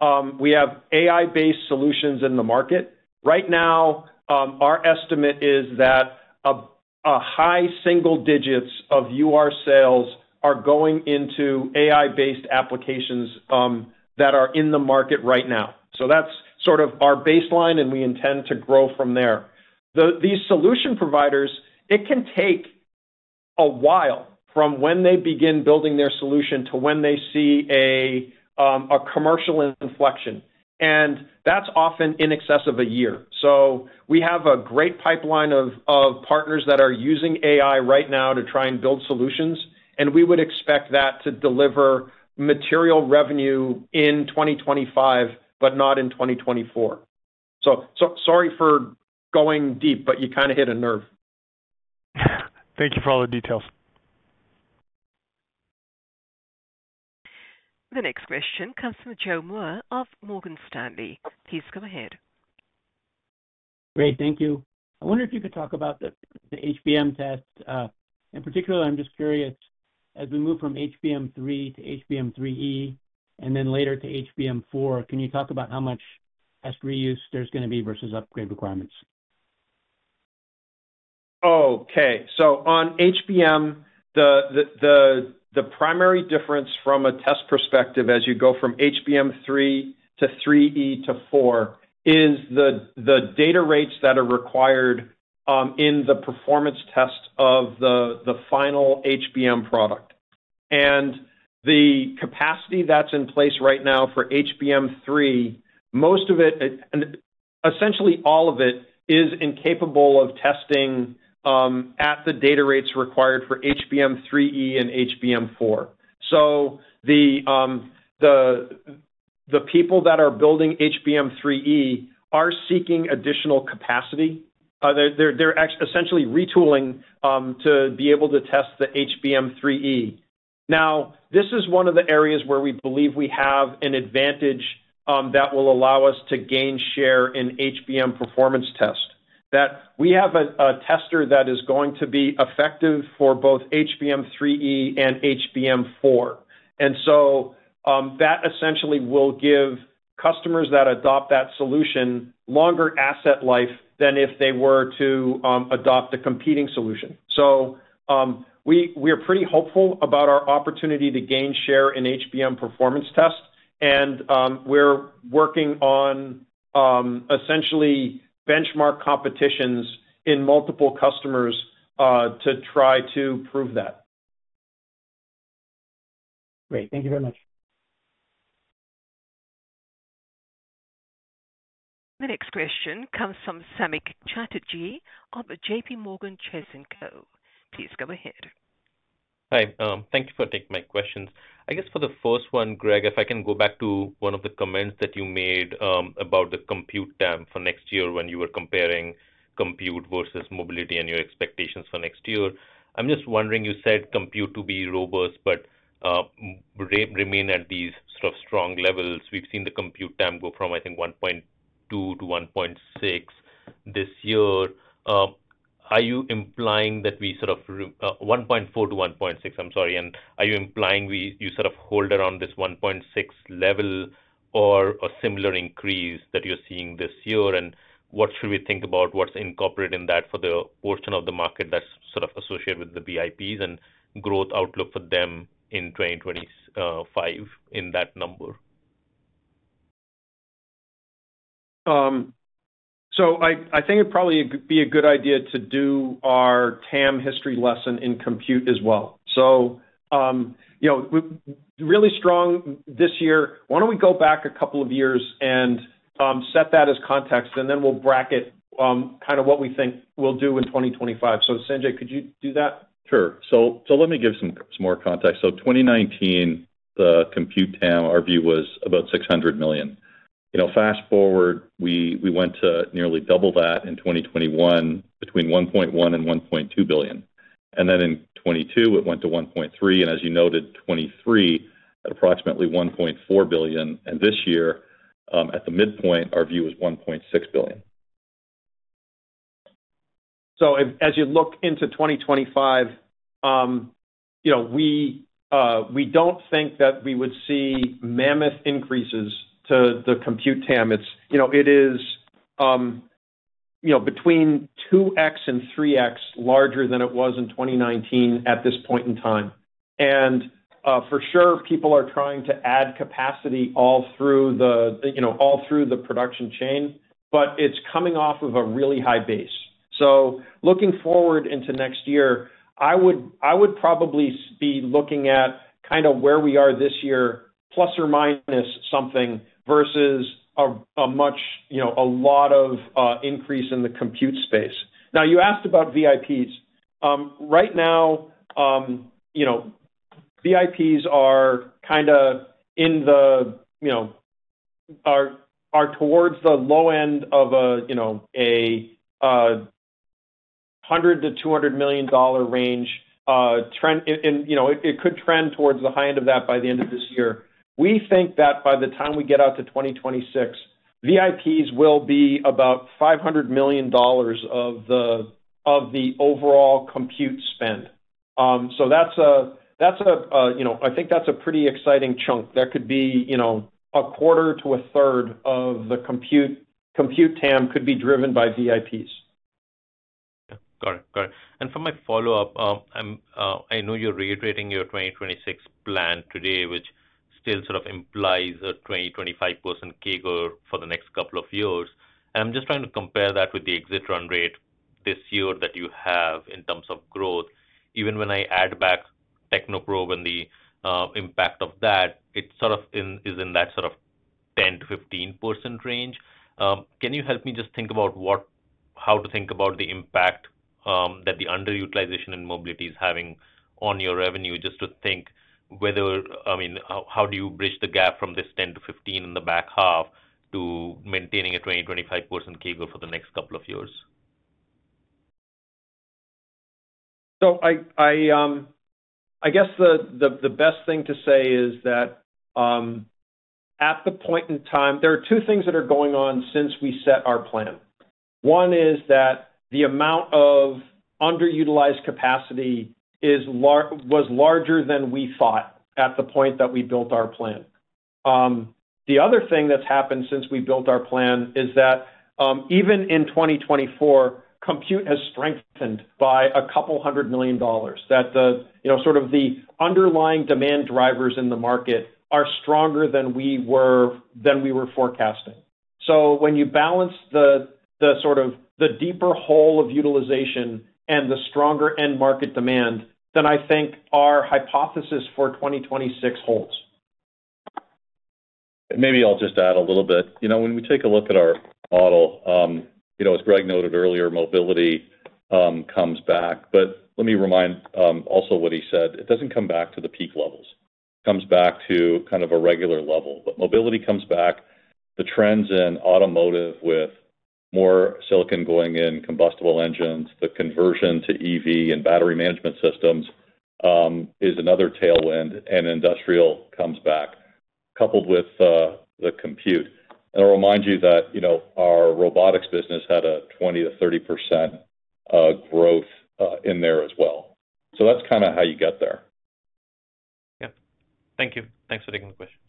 AI-based solutions in the market. Right now, our estimate is that high single digits of UR sales are going into AI-based applications that are in the market right now. So that's sort of our baseline, and we intend to grow from there. These solution providers, it can take a while from when they begin building their solution to when they see a commercial inflection. That's often in excess of a year. So we have a great pipeline of partners that are using AI right now to try and build solutions, and we would expect that to deliver material revenue in 2025, but not in 2024. So sorry for going deep, but you kind of hit a nerve. Thank you for all the details. The next question comes from Joe Moore of Morgan Stanley. Please come ahead. Great. Thank you. I wonder if you could talk about the HBM test. In particular, I'm just curious, as we move from HBM3 to HBM3E and then later to HBM4, can you talk about how much test reuse there's going to be versus upgrade requirements? Okay. So on HBM, the primary difference from a test perspective as you go from HBM3 to 3E to 4 is the data rates that are required in the performance test of the final HBM product. And the capacity that's in place right now for HBM3, most of it, essentially all of it, is incapable of testing at the data rates required for HBM3E and HBM4. So the people that are building HBM3E are seeking additional capacity. They're essentially retooling to be able to test the HBM3E. Now, this is one of the areas where we believe we have an advantage that will allow us to gain share in HBM performance tests, that we have a tester that is going to be effective for both HBM3E and HBM4. And so that essentially will give customers that adopt that solution longer asset life than if they were to adopt a competing solution. So we are pretty hopeful about our opportunity to gain share in HBM performance tests. And we're working on essentially benchmark competitions in multiple customers to try to prove that. Great. Thank you very much. The next question comes from Samik Chatterjee of JPMorgan Chase & Co. Please go ahead. Hi. Thank you for taking my questions. I guess for the first one, Greg, if I can go back to one of the comments that you made about the compute TAM for next year when you were comparing compute versus mobility and your expectations for next year. I'm just wondering, you said compute to be robust, but remain at these sort of strong levels. We've seen the compute TAM go from, I think, $1.2 billion-$1.6 billion this year. Are you implying that we sort of $1.4 billion-$1.6 billion? I'm sorry. And are you implying you sort of hold around this $1.6 billion level or a similar increase that you're seeing this year? And what should we think about? What's incorporated in that for the portion of the market that's sort of associated with the VIPs and growth outlook for them in 2025 in that number? So I think it'd probably be a good idea to do our TAM history lesson in compute as well. So really strong this year. Why don't we go back a couple of years and set that as context, and then we'll bracket kind of what we think we'll do in 2025. So Sanjay, could you do that? Sure. So let me give some more context. So 2019, the compute TAM, our view was about $600 million. Fast forward, we went to nearly double that in 2021 between $1.1 billion and $1.2 billion. And then in 2022, it went to $1.3 billion. And as you noted, 2023 at approximately $1.4 billion. And this year, at the midpoint, our view was $1.6 billion. So as you look into 2025, we don't think that we would see mammoth increases to the compute TAM. It is between 2x and 3x larger than it was in 2019 at this point in time. And for sure, people are trying to add capacity all through the production chain, but it's coming off of a really high base. So looking forward into next year, I would probably be looking at kind of where we are this year, plus or minus something versus a lot of increase in the compute space. Now, you asked about VIPs. Right now, VIPs are kind of in the area towards the low end of a $100 million-$200 million range. And it could trend towards the high end of that by the end of this year. We think that by the time we get out to 2026, VIPs will be about $500 million of the overall compute spend. So that's a, I think that's a pretty exciting chunk. That could be a quarter to a third of the compute TAM could be driven by VIPs. Yeah. Got it. Got it. For my follow-up, I know you're reiterating your 2026 plan today, which still sort of implies a 25% CAGR for the next couple of years. I'm just trying to compare that with the exit run rate this year that you have in terms of growth. Even when I add back Technoprobe and the impact of that, it sort of is in that sort of 10%-15% range. Can you help me just think about how to think about the impact that the underutilization in mobility is having on your revenue, just to think whether, I mean, how do you bridge the gap from this 10%-15% in the back half to maintaining a 25% CAGR for the next couple of years? So I guess the best thing to say is that at the point in time, there are two things that are going on since we set our plan. One is that the amount of underutilized capacity was larger than we thought at the point that we built our plan. The other thing that's happened since we built our plan is that even in 2024, compute has strengthened by $200 million, that sort of the underlying demand drivers in the market are stronger than we were forecasting. So when you balance the sort of the deeper hole of utilization and the stronger end market demand, then I think our hypothesis for 2026 holds. Maybe I'll just add a little bit. When we take a look at our model, as Greg noted earlier, mobility comes back. But let me remind also what he said. It doesn't come back to the peak levels. It comes back to kind of a regular level. But mobility comes back. The trends in automotive with more silicon going in combustion engines, the conversion to EV and battery management systems is another tailwind, and industrial comes back coupled with the compute. And I'll remind you that our robotics business had a 20%-30% growth in there as well. So that's kind of how you get there. Yeah. Thank you. Thanks for taking the questions.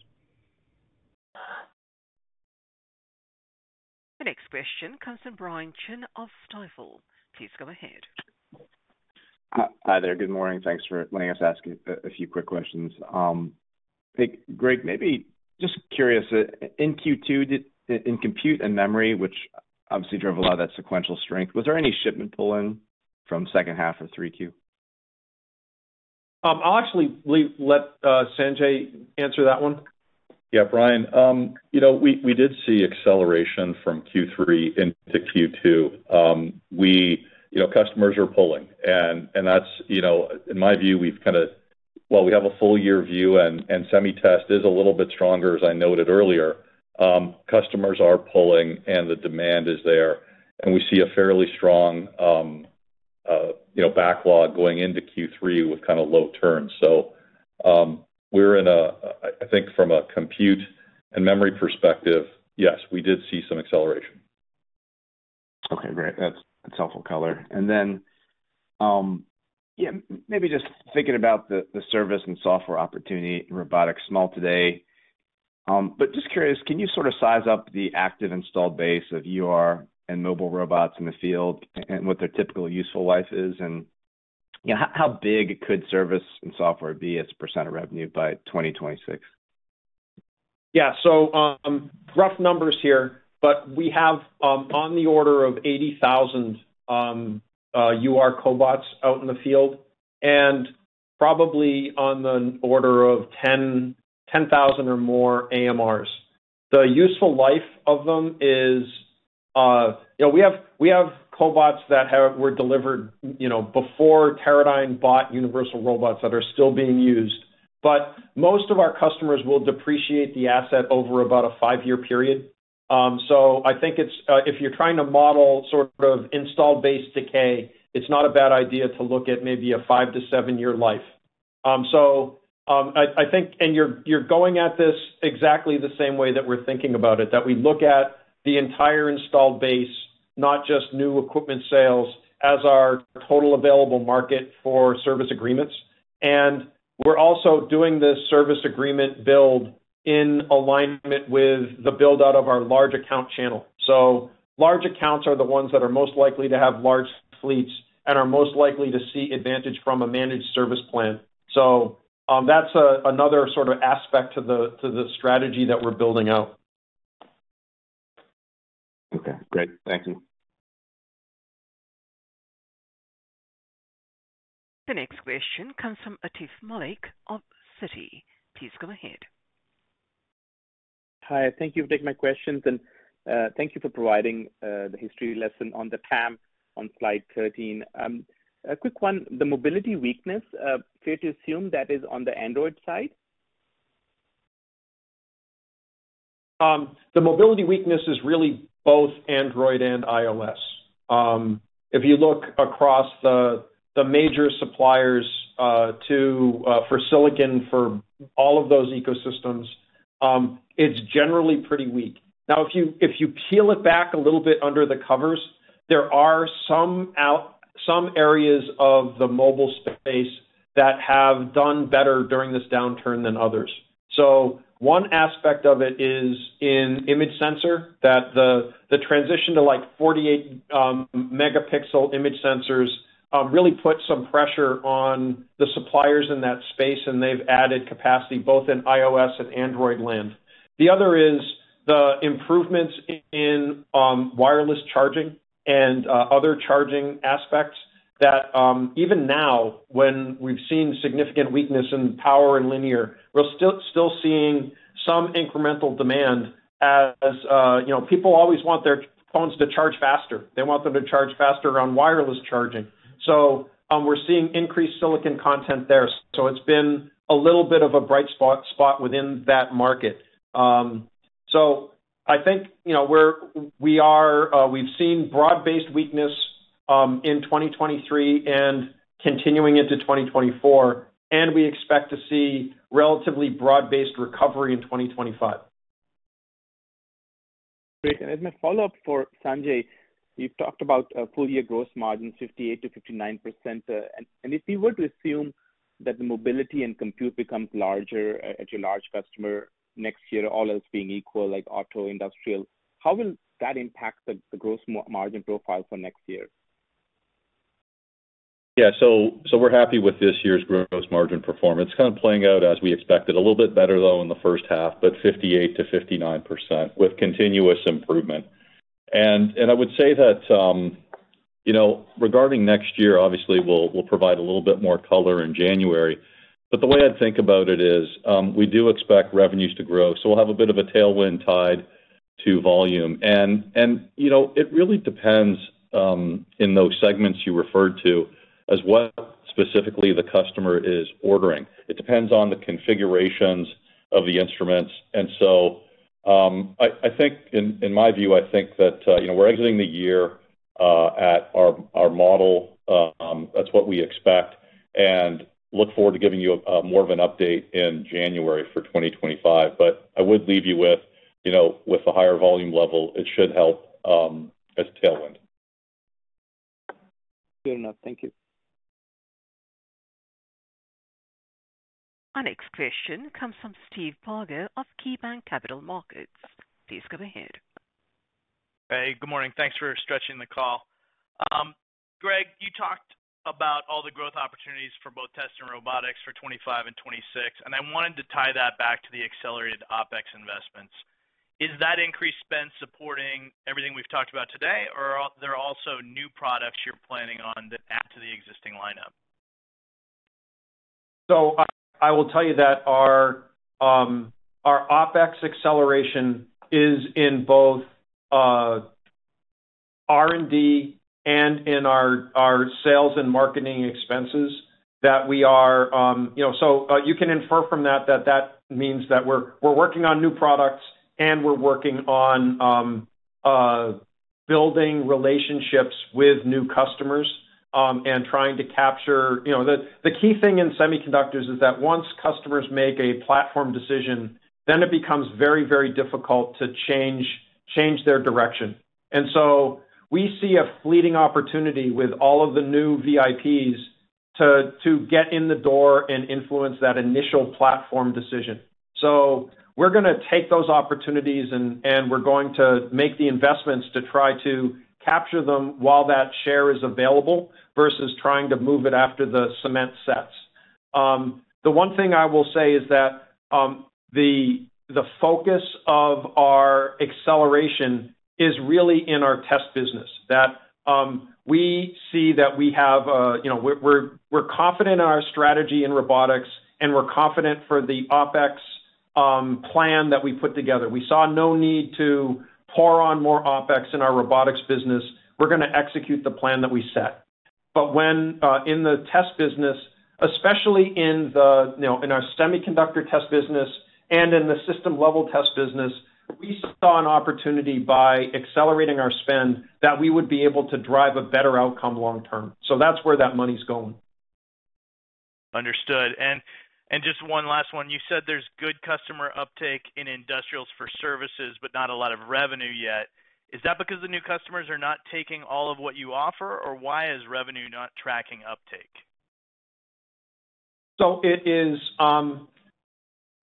The next question comes from Brian Chin of Stifel. Please come ahead. Hi there. Good morning. Thanks for letting us ask a few quick questions. Greg, maybe just curious, in Q2, in compute and memory, which obviously drove a lot of that sequential strength, was there any shipment pulling from second half of 3Q? I'll actually let Sanjay answer that one. Yeah, Brian, we did see acceleration from Q3 into Q2. Customers are pulling. And that's, in my view, we've kind of, well, we have a full year view, and semi test is a little bit stronger, as I noted earlier. Customers are pulling, and the demand is there. And we see a fairly strong backlog going into Q3 with kind of low turns. So we're in a, I think, from a compute and memory perspective, yes, we did see some acceleration. Okay. Great. That's helpful color. And then, yeah, maybe just thinking about the service and software opportunity in robotics small today. But just curious, can you sort of size up the active installed base of UR and mobile robots in the field and what their typical useful life is? And how big could service and software be as a percentage of revenue by 2026? Yeah. So rough numbers here, but we have on the order of 80,000 UR cobots out in the field and probably on the order of 10,000 or more AMRs. The useful life of them is we have cobots that were delivered before Teradyne bought Universal Robots that are still being used. But most of our customers will depreciate the asset over about a five-year period. So I think if you're trying to model sort of installed base decay, it's not a bad idea to look at maybe a five-year to seven-year life. So I think, and you're going at this exactly the same way that we're thinking about it, that we look at the entire installed base, not just new equipment sales as our total available market for service agreements. And we're also doing this service agreement build in alignment with the build-out of our large account channel. Large accounts are the ones that are most likely to have large fleets and are most likely to see advantage from a managed service plan. That's another sort of aspect to the strategy that we're building out. Okay. Great. Thank you. The next question comes from Atif Malik of Citi. Please come ahead. Hi. Thank you for taking my questions. Thank you for providing the history lesson on the TAM on Slide 13. A quick one, the mobility weakness, fair to assume that is on the Android side? The mobility weakness is really both Android and iOS. If you look across the major suppliers for silicon for all of those ecosystems, it's generally pretty weak. Now, if you peel it back a little bit under the covers, there are some areas of the mobile space that have done better during this downturn than others. So one aspect of it is in image sensor that the transition to like 48-megapixel image sensors really put some pressure on the suppliers in that space, and they've added capacity both in iOS and Android land. The other is the improvements in wireless charging and other charging aspects that even now, when we've seen significant weakness in power and linear, we're still seeing some incremental demand as people always want their phones to charge faster. They want them to charge faster on wireless charging. So we're seeing increased silicon content there. It's been a little bit of a bright spot within that market. I think we've seen broad-based weakness in 2023 and continuing into 2024. We expect to see relatively broad-based recovery in 2025. Great. And as my follow-up for Sanjay, you've talked about full year gross margins, 58%-59%. And if you were to assume that the mobility and compute becomes larger at your large customer next year, all else being equal, like auto industrial, how will that impact the gross margin profile for next year? Yeah. We're happy with this year's gross margin performance. It's kind of playing out as we expected. A little bit better, though, in the first half, but 58%-59% with continuous improvement. I would say that regarding next year, obviously, we'll provide a little bit more color in January. But the way I'd think about it is we do expect revenues to grow. We'll have a bit of a tailwind tied to volume. It really depends in those segments you referred to as what specifically the customer is ordering. It depends on the configurations of the instruments. So I think, in my view, I think that we're exiting the year at our model. That's what we expect. And look forward to giving you more of an update in January for 2025. But I would leave you with a higher volume level. It should help as a tailwind. Good enough. Thank you. The next question comes from Steve Barger of KeyBanc Capital Markets. Please come ahead. Hey, good morning. Thanks for stretching the call. Greg, you talked about all the growth opportunities for both test and robotics for 2025 and 2026. And I wanted to tie that back to the accelerated OpEx investments. Is that increased spend supporting everything we've talked about today, or are there also new products you're planning on that add to the existing lineup? So I will tell you that our OpEx acceleration is in both R&D and in our sales and marketing expenses that we are. So you can infer from that that that means that we're working on new products, and we're working on building relationships with new customers and trying to capture. The key thing in semiconductors is that once customers make a platform decision, then it becomes very, very difficult to change their direction. And so we see a fleeting opportunity with all of the new VIPs to get in the door and influence that initial platform decision. So we're going to take those opportunities, and we're going to make the investments to try to capture them while that share is available versus trying to move it after the cement sets. The one thing I will say is that the focus of our acceleration is really in our test business, that we see that we have a we're confident in our strategy in robotics, and we're confident for the OpEx plan that we put together. We saw no need to pour on more OpEx in our robotics business. We're going to execute the plan that we set. But when in the test business, especially in our semiconductor test business and in the system-level test business, we saw an opportunity by accelerating our spend that we would be able to drive a better outcome long-term. So that's where that money's going. Understood. Just one last one. You said there's good customer uptake in industrials for services, but not a lot of revenue yet. Is that because the new customers are not taking all of what you offer, or why is revenue not tracking uptake? So it is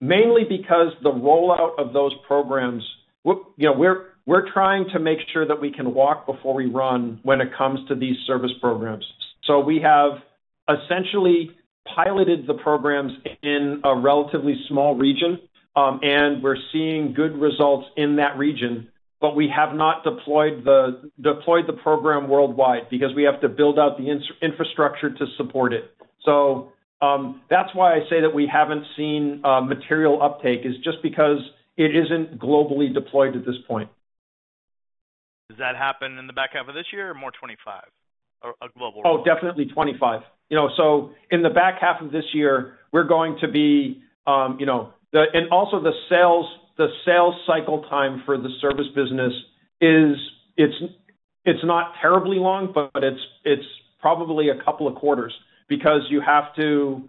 mainly because the rollout of those programs, we're trying to make sure that we can walk before we run when it comes to these service programs. So we have essentially piloted the programs in a relatively small region, and we're seeing good results in that region, but we have not deployed the program worldwide because we have to build out the infrastructure to support it. So that's why I say that we haven't seen material uptake is just because it isn't globally deployed at this point. Does that happen in the back half of this year or more 2025? A global? Oh, definitely 2025. So in the back half of this year, we're going to be and also the sales cycle time for the service business, it's not terribly long, but it's probably a couple of quarters because you have to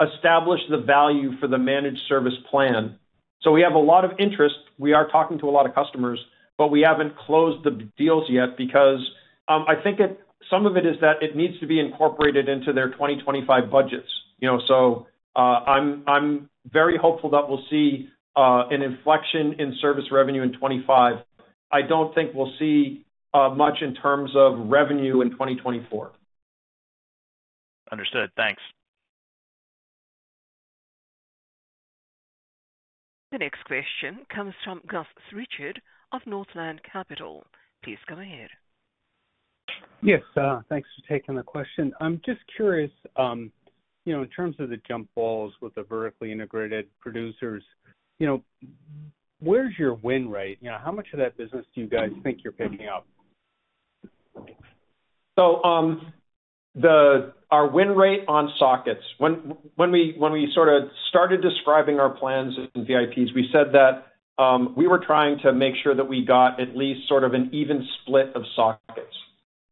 establish the value for the managed service plan. So we have a lot of interest. We are talking to a lot of customers, but we haven't closed the deals yet because I think some of it is that it needs to be incorporated into their 2025 budgets. So I'm very hopeful that we'll see an inflection in service revenue in 2025. I don't think we'll see much in terms of revenue in 2024. Understood. Thanks. The next question comes from Gus Richard of Northland Capital. Please go ahead. Yes. Thanks for taking the question. I'm just curious, in terms of the jump balls with the vertically integrated producers, where's your win rate? How much of that business do you guys think you're picking up? So our win rate on sockets, when we sort of started describing our plans and VIPs, we said that we were trying to make sure that we got at least sort of an even split of sockets.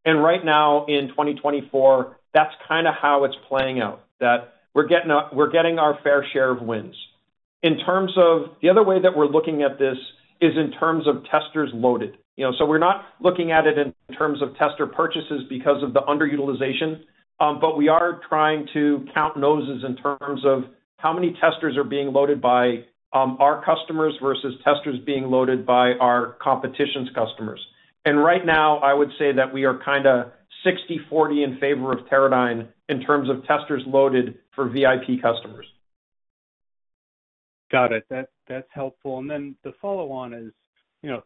And right now, in 2024, that's kind of how it's playing out, that we're getting our fair share of wins. The other way that we're looking at this is in terms of testers loaded. So we're not looking at it in terms of tester purchases because of the underutilization, but we are trying to count noses in terms of how many testers are being loaded by our customers versus testers being loaded by our competition's customers. And right now, I would say that we are kind of 60/40 in favor of Teradyne in terms of testers loaded for VIP customers. Got it. That's helpful. And then the follow-on is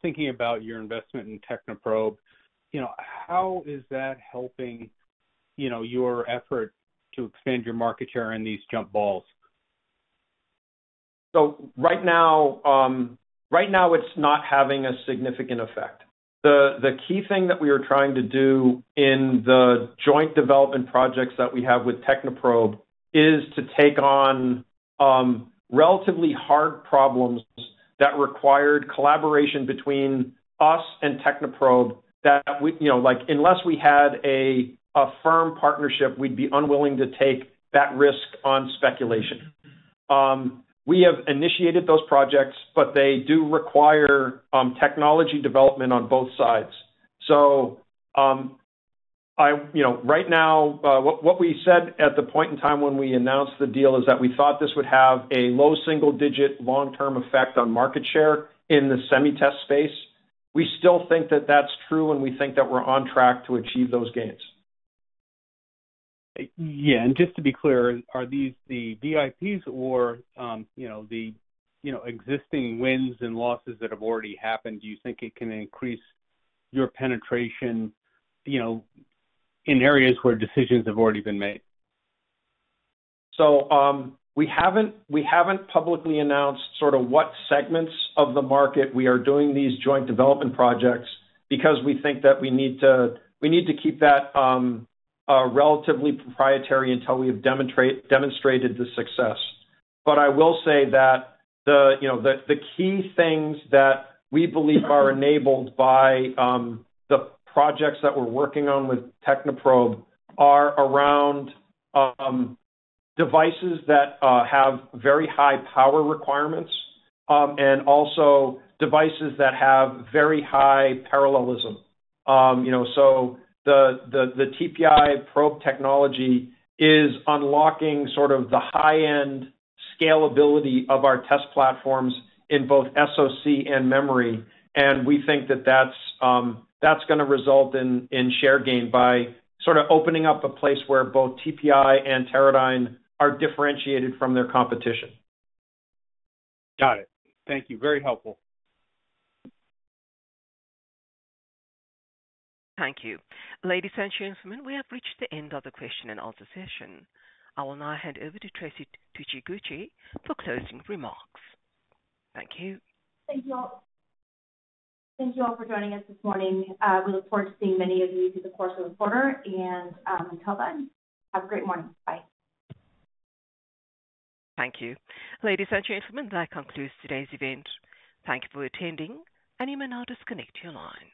thinking about your investment in Technoprobe. How is that helping your effort to expand your market share in these jump balls? Right now, it's not having a significant effect. The key thing that we are trying to do in the joint development projects that we have with Technoprobe is to take on relatively hard problems that required collaboration between us and Technoprobe that unless we had a firm partnership, we'd be unwilling to take that risk on speculation. We have initiated those projects, but they do require technology development on both sides. Right now, what we said at the point in time when we announced the deal is that we thought this would have a low single-digit long-term effect on market share in the semi-test space. We still think that that's true, and we think that we're on track to achieve those gains. Yeah. And just to be clear, are these the VIPs or the existing wins and losses that have already happened? Do you think it can increase your penetration in areas where decisions have already been made? So we haven't publicly announced sort of what segments of the market we are doing these joint development projects because we think that we need to keep that relatively proprietary until we have demonstrated the success. But I will say that the key things that we believe are enabled by the projects that we're working on with Technoprobe are around devices that have very high power requirements and also devices that have very high parallelism. So the TPI probe technology is unlocking sort of the high-end scalability of our test platforms in both SoC and memory. And we think that that's going to result in share gain by sort of opening up a place where both TPI and Teradyne are differentiated from their competition. Got it. Thank you. Very helpful. Thank you. Ladies and gentlemen, we have reached the end of the question and answer session. I will now hand over to Traci Tsuchiguchi for closing remarks. Thank you. Thank you all for joining us this morning. We look forward to seeing many of you through the course of the quarter. Until then, have a great morning. Bye. Thank you. Ladies and gentlemen, that concludes today's event. Thank you for attending, and you may now disconnect your lines.